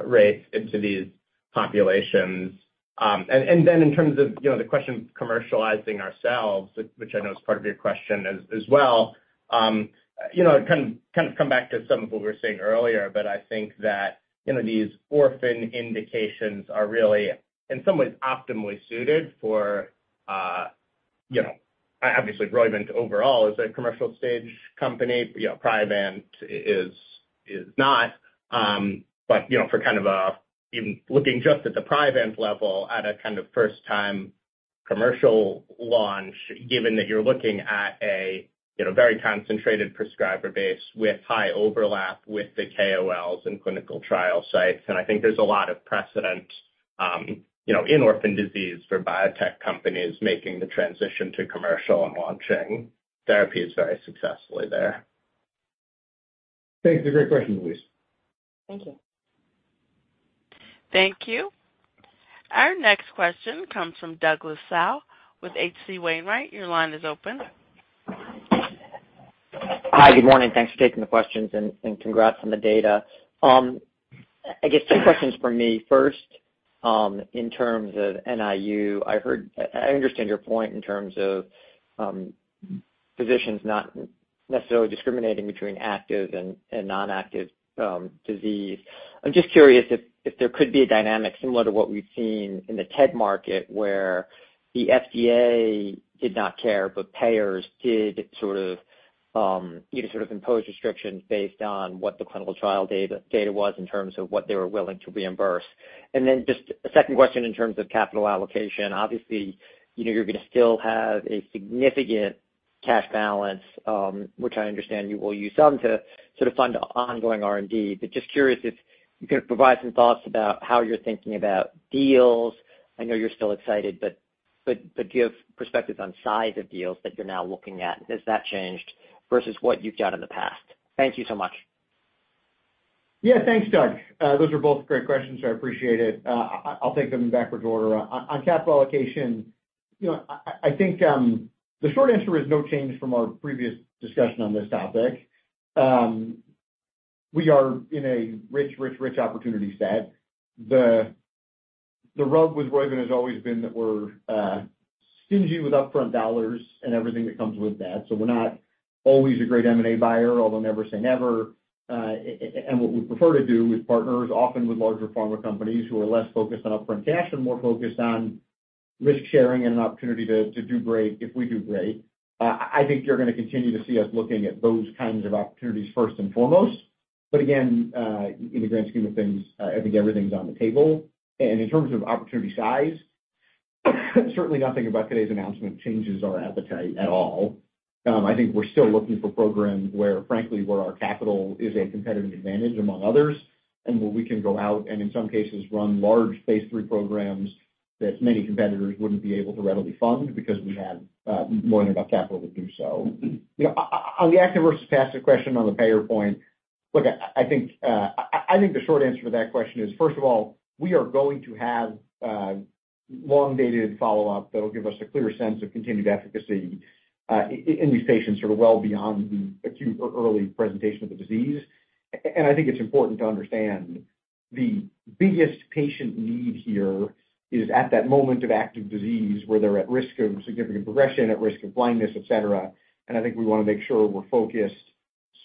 rates into these populations. And then in terms of the question of commercializing ourselves, which I know is part of your question as well, I'd kind of come back to some of what we were saying earlier. But I think that these orphan indications are really, in some ways, optimally suited for obviously, Roivant overall is a commercial stage company. Priovant is not. But for kind of even looking just at the Priovant level at a kind of first-time commercial launch, given that you're looking at a very concentrated prescriber base with high overlap with the KOLs and clinical trial sites. I think there's a lot of precedent in orphan disease for biotech companies making the transition to commercial and launching therapies very successfully there. Thanks. A great question, Louise. Thank you. Thank you. Our next question comes from Douglas Tsao with H.C. Wainwright. Your line is open. Hi. Good morning. Thanks for taking the questions. And congrats on the data. I guess two questions from me. First, in terms of NIU, I understand your point in terms of physicians not necessarily discriminating between active and non-active disease. I'm just curious if there could be a dynamic similar to what we've seen in the TED market where the FDA did not care but payers did sort of impose restrictions based on what the clinical trial data was in terms of what they were willing to reimburse. And then just a second question in terms of capital allocation. Obviously, you're going to still have a significant cash balance, which I understand you will use some to sort of fund ongoing R&D. But just curious if you can provide some thoughts about how you're thinking about deals. I know you're still excited. But do you have perspectives on size of deals that you're now looking at? Has that changed versus what you've done in the past? Thank you so much. Yeah. Thanks, Doug. Those are both great questions. I appreciate it. I'll take them in backwards order. On capital allocation, I think the short answer is no change from our previous discussion on this topic. We are in a rich, rich, rich opportunity set. The rub with Roivant has always been that we're stingy with upfront dollars and everything that comes with that. So we're not always a great M&A buyer, although never say never. And what we prefer to do with partners, often with larger pharma companies who are less focused on upfront cash and more focused on risk-sharing and an opportunity to do great if we do great, I think you're going to continue to see us looking at those kinds of opportunities first and foremost. But again, in the grand scheme of things, I think everything's on the table. In terms of opportunity size, certainly nothing about today's announcement changes our appetite at all. I think we're still looking for programs where, frankly, where our capital is a competitive advantage among others and where we can go out and, in some cases, run large phase III programs that many competitors wouldn't be able to readily fund because we have more than enough capital to do so. On the active versus passive question on the payer point, look, I think the short answer to that question is, first of all, we are going to have long-dated follow-up that'll give us a clear sense of continued efficacy in these patients sort of well beyond the acute or early presentation of the disease. I think it's important to understand the biggest patient need here is at that moment of active disease where they're at risk of significant progression, at risk of blindness, etc. I think we want to make sure we're focused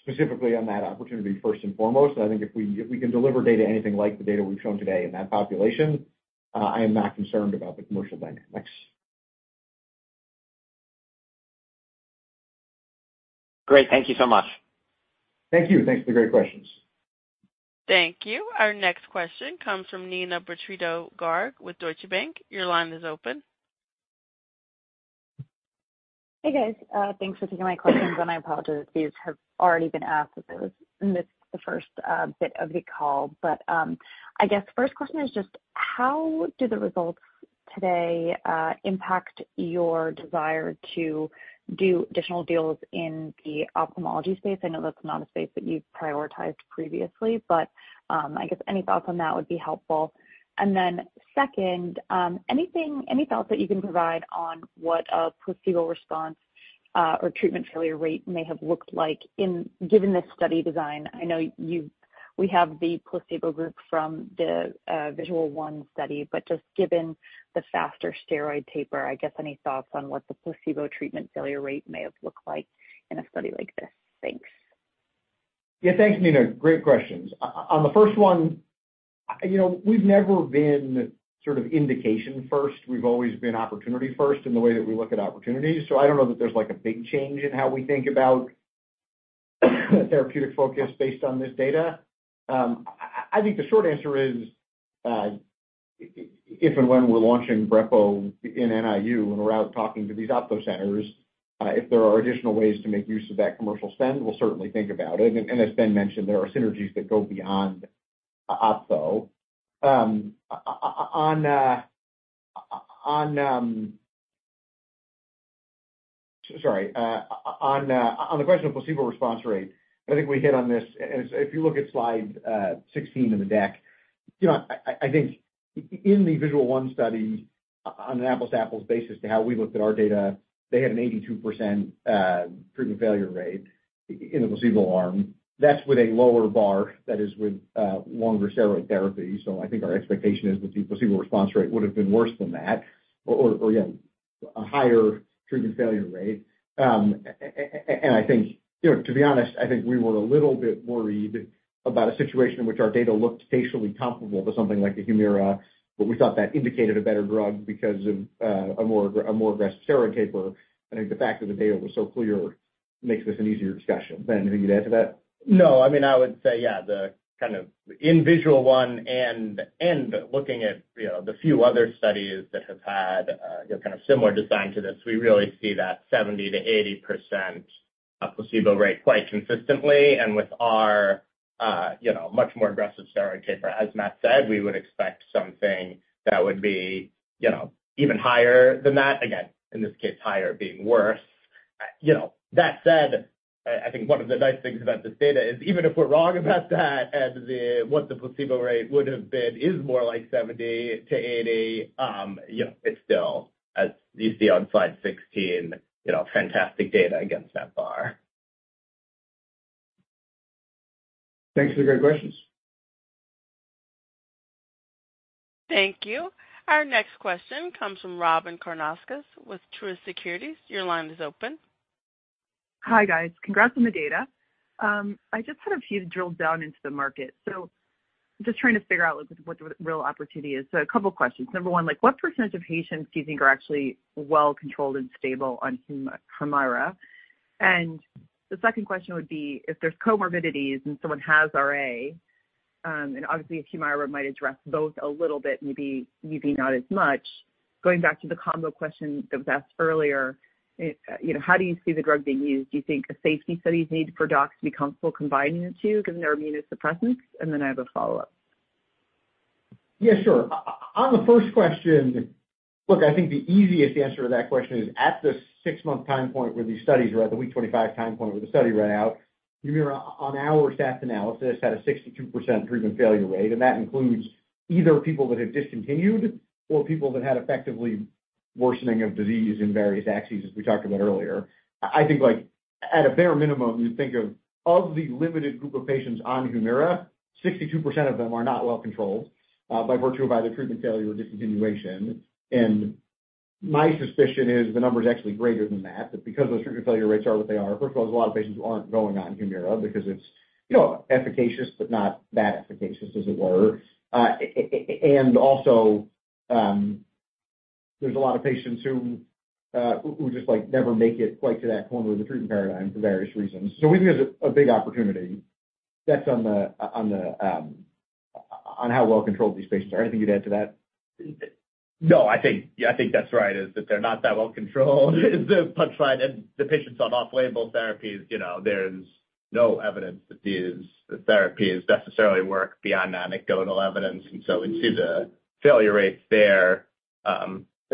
specifically on that opportunity first and foremost. I think if we can deliver data, anything like the data we've shown today in that population, I am not concerned about the commercial dynamics. Great. Thank you so much. Thank you. Thanks for the great questions. Thank you. Our next question comes from Neena Bitritto-Garg with Deutsche Bank. Your line is open. Hey, guys. Thanks for taking my questions. I apologize. These have already been asked. I missed the first bit of the call. I guess the first question is just how do the results today impact your desire to do additional deals in the ophthalmology space? I know that's not a space that you've prioritized previously. I guess any thoughts on that would be helpful. Then second, any thoughts that you can provide on what a placebo response or treatment failure rate may have looked like given this study design? I know we have the placebo group from the VISUAL I study. Just given the faster steroid taper, I guess any thoughts on what the placebo treatment failure rate may have looked like in a study like this? Thanks. Yeah. Thanks, Neena. Great questions. On the first one, we've never been sort of indication first. We've always been opportunity first in the way that we look at opportunities. So I don't know that there's a big change in how we think about therapeutic focus based on this data. I think the short answer is if and when we're launching Brepo in NIU and we're out talking to these ophtho centers, if there are additional ways to make use of that commercial spend, we'll certainly think about it. And as Ben mentioned, there are synergies that go beyond ophtho. Sorry. On the question of placebo response rate, I think we hit on this. And if you look at slide 16 in the deck, I think in the VISUAL I study, on an apples-to-apples basis to how we looked at our data, they had an 82% treatment failure rate in the placebo arm. That's with a lower bar that is with longer steroid therapy. So I think our expectation is that the placebo response rate would have been worse than that or, again, a higher treatment failure rate. And to be honest, I think we were a little bit worried about a situation in which our data looked facially comparable to something like the Humira, but we thought that indicated a better drug because of a more aggressive steroid taper. I think the fact that the data was so clear makes this an easier discussion. Ben, anything you'd add to that? No. I mean, I would say, yeah, kind of in VISUAL I and looking at the few other studies that have had kind of similar design to this, we really see that 70%-80% placebo rate quite consistently. And with our much more aggressive steroid taper, as Matt said, we would expect something that would be even higher than that. Again, in this case, higher being worse. That said, I think one of the nice things about this data is even if we're wrong about that and what the placebo rate would have been is more like 70%-80%, it's still, as you see on slide 16, fantastic data against that bar. Thanks for the great questions. Thank you. Our next question comes from Robyn Karnauskas with Truist Securities. Your line is open. Hi, guys. Congrats on the data. I just had a few drilled down into the market. So just trying to figure out what the real opportunity is. So a couple of questions. Number one, what percentage of patients do you think are actually well-controlled and stable on Humira? And the second question would be if there's comorbidities and someone has RA, and obviously, if Humira might address both a little bit, maybe UV not as much. Going back to the combo question that was asked earlier, how do you see the drug being used? Do you think a safety study is needed for docs to be comfortable combining the two given their immunosuppressants? And then I have a follow-up. Yeah. Sure. On the first question, look, I think the easiest answer to that question is at the 6-month time point where these studies were at, the week 25 time point where the study ran out, Humira, on our stats analysis, had a 62% treatment failure rate. And that includes either people that have discontinued or people that had effectively worsening of disease in various axes as we talked about earlier. I think at a bare minimum, you'd think of, of the limited group of patients on Humira, 62% of them are not well-controlled by virtue of either treatment failure or discontinuation. And my suspicion is the number's actually greater than that, that because those treatment failure rates are what they are, first of all, there's a lot of patients who aren't going on Humira because it's efficacious but not that efficacious, as it were. Also, there's a lot of patients who just never make it quite to that corner of the treatment paradigm for various reasons. We think there's a big opportunity. That's on how well-controlled these patients are. Anything you'd add to that? No. I think that's right, is that they're not that well-controlled is the punchline. And the patients on off-label therapies, there's no evidence that these therapies necessarily work beyond anecdotal evidence.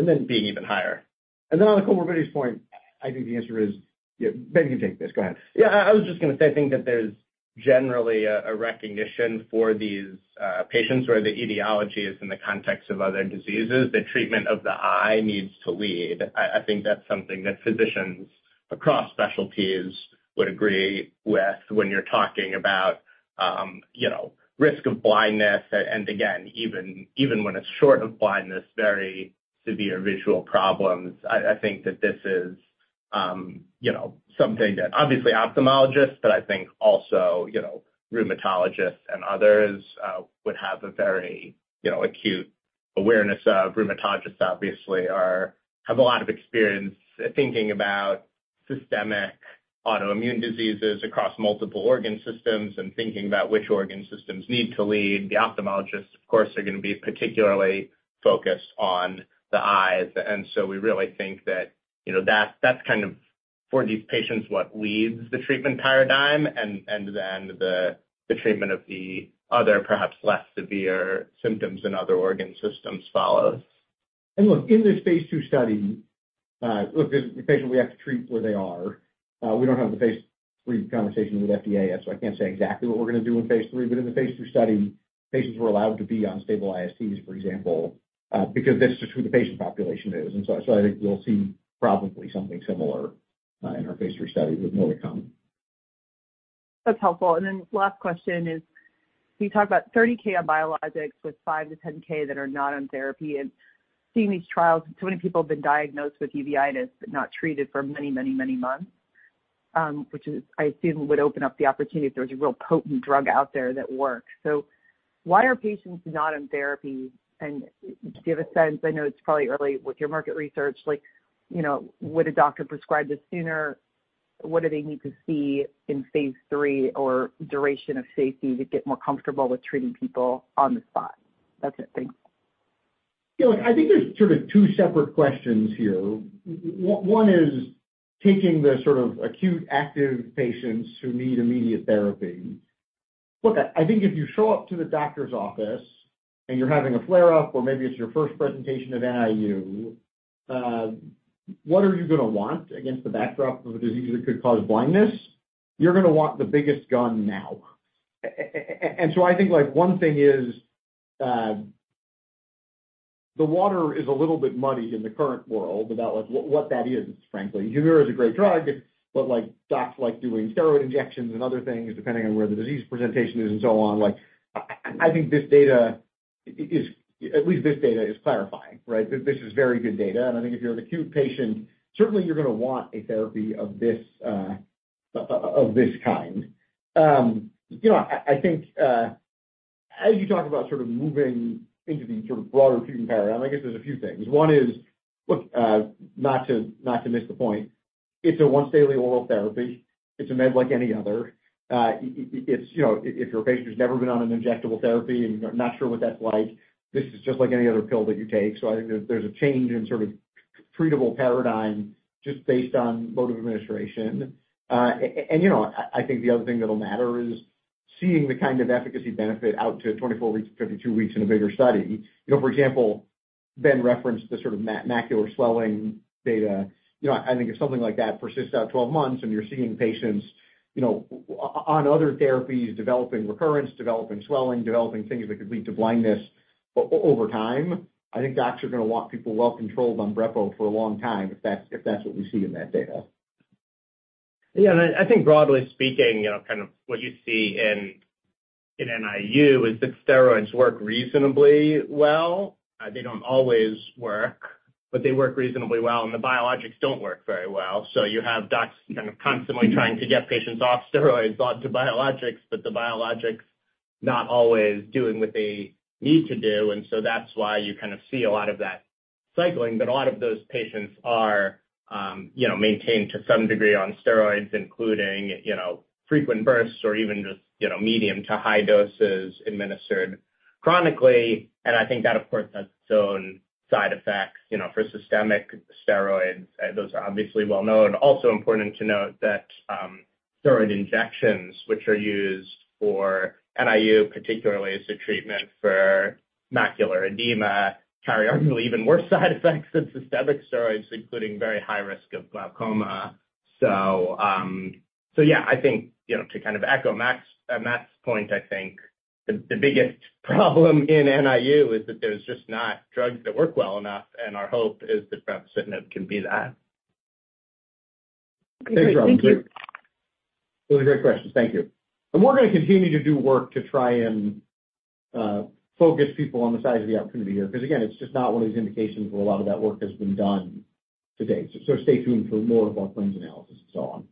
And so we'd see the failure rates there and then being even higher. On the comorbidities point, I think the answer is yeah, Ben, you can take this. Go ahead. Yeah. I was just going to say I think that there's generally a recognition for these patients where the etiology is in the context of other diseases, that treatment of the eye needs to lead. I think that's something that physicians across specialties would agree with when you're talking about risk of blindness. And again, even when it's short of blindness, very severe visual problems, I think that this is something that obviously ophthalmologists, but I think also rheumatologists and others would have a very acute awareness of. Rheumatologists, obviously, have a lot of experience thinking about systemic autoimmune diseases across multiple organ systems and thinking about which organ systems need to lead. The ophthalmologists, of course, are going to be particularly focused on the eyes. And so we really think that that's kind of for these patients what leads the treatment paradigm. And then the treatment of the other, perhaps less severe symptoms in other organ systems follows. And look, in this phase II study, the patient, we have to treat where they are. We don't have the phase III conversation with FDA yet. So I can't say exactly what we're going to do in phase III. But in the phase II study, patients were allowed to be on stable ISTs, for example, because that's just who the patient population is. And so I think we'll see probably something similar in our phase III study with more to come. That's helpful. And then last question is you talked about 30,000 on biologics with 5,000-10,000 that are not on therapy. And seeing these trials, so many people have been diagnosed with uveitis but not treated for many, many, many months, which I assume would open up the opportunity if there was a real potent drug out there that works. So why are patients not on therapy? And do you have a sense? I know it's probably early with your market research. Would a doctor prescribe this sooner? What do they need to see in phase III or duration of safety to get more comfortable with treating people on the spot? That's it. Thanks. Yeah. Look, I think there's sort of two separate questions here. One is taking the sort of acute, active patients who need immediate therapy. Look, I think if you show up to the doctor's office and you're having a flare-up or maybe it's your first presentation of NIU, what are you going to want against the backdrop of a disease that could cause blindness? You're going to want the biggest gun now. And so I think one thing is the water is a little bit muddy in the current world about what that is, frankly. Humira is a great drug, but docs like doing steroid injections and other things depending on where the disease presentation is and so on. I think this data is at least this data is clarifying, right? This is very good data. I think if you're an acute patient, certainly, you're going to want a therapy of this kind. I think as you talk about sort of moving into the sort of broader treatment paradigm, I guess there's a few things. One is, look, not to miss the point, it's a once-daily oral therapy. It's a med like any other. If your patient has never been on an injectable therapy and you're not sure what that's like, this is just like any other pill that you take. I think there's a change in sort of treatable paradigm just based on mode of administration. I think the other thing that'll matter is seeing the kind of efficacy benefit out to 24 weeks, 52 weeks in a bigger study. For example, Ben referenced the sort of macular swelling data. I think if something like that persists out 12 months and you're seeing patients on other therapies developing recurrence, developing swelling, developing things that could lead to blindness over time, I think docs are going to want people well-controlled on Brepo for a long time if that's what we see in that data. Yeah. I think broadly speaking, kind of what you see in NIU is that steroids work reasonably well. They don't always work, but they work reasonably well. The biologics don't work very well. So you have docs kind of constantly trying to get patients off steroids onto biologics, but the biologics not always doing what they need to do. And so that's why you kind of see a lot of that cycling. A lot of those patients are maintained to some degree on steroids, including frequent bursts or even just medium to high doses administered chronically. I think that, of course, has its own side effects. For systemic steroids, those are obviously well-known. Also important to note that steroid injections, which are used for NIU particularly as a treatment for macular edema, carry arguably even worse side effects than systemic steroids, including very high risk of glaucoma. So yeah, I think to kind of echo Matt's point, I think the biggest problem in NIU is that there's just not drugs that work well enough. Our hope is that Prevacid and NIU can be that. Okay. Thanks, Robyn. Thank you. Those are great questions. Thank you. We're going to continue to do work to try and focus people on the size of the opportunity here because, again, it's just not one of these indications where a lot of that work has been done to date. Stay tuned for more of our claims analysis and so on.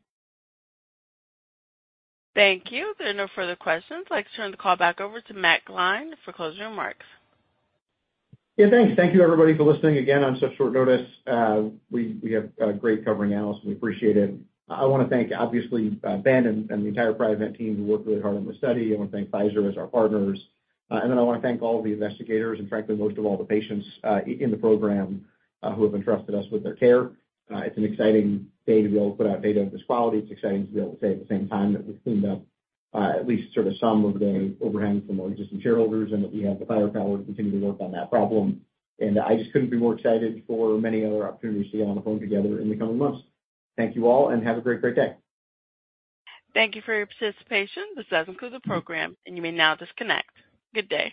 Thank you. If there are no further questions, I'd like to turn the call back over to Matt Gline for closing remarks. Yeah. Thanks. Thank you, everybody, for listening again on such short notice. We have great covering analysts. We appreciate it. I want to thank, obviously, Ben and the entire Priovant team who worked really hard on the study. I want to thank Pfizer as our partners. And then I want to thank all of the investigators and, frankly, most of all the patients in the program who have entrusted us with their care. It's an exciting day to be able to put out data of this quality. It's exciting to be able to say at the same time that we've cleaned up at least sort of some of the overhang from our existing shareholders and that we have the firepower to continue to work on that problem. And I just couldn't be more excited for many other opportunities to get on the phone together in the coming months. Thank you all, and have a great, great day. Thank you for your participation. This does conclude the program, and you may now disconnect. Good day.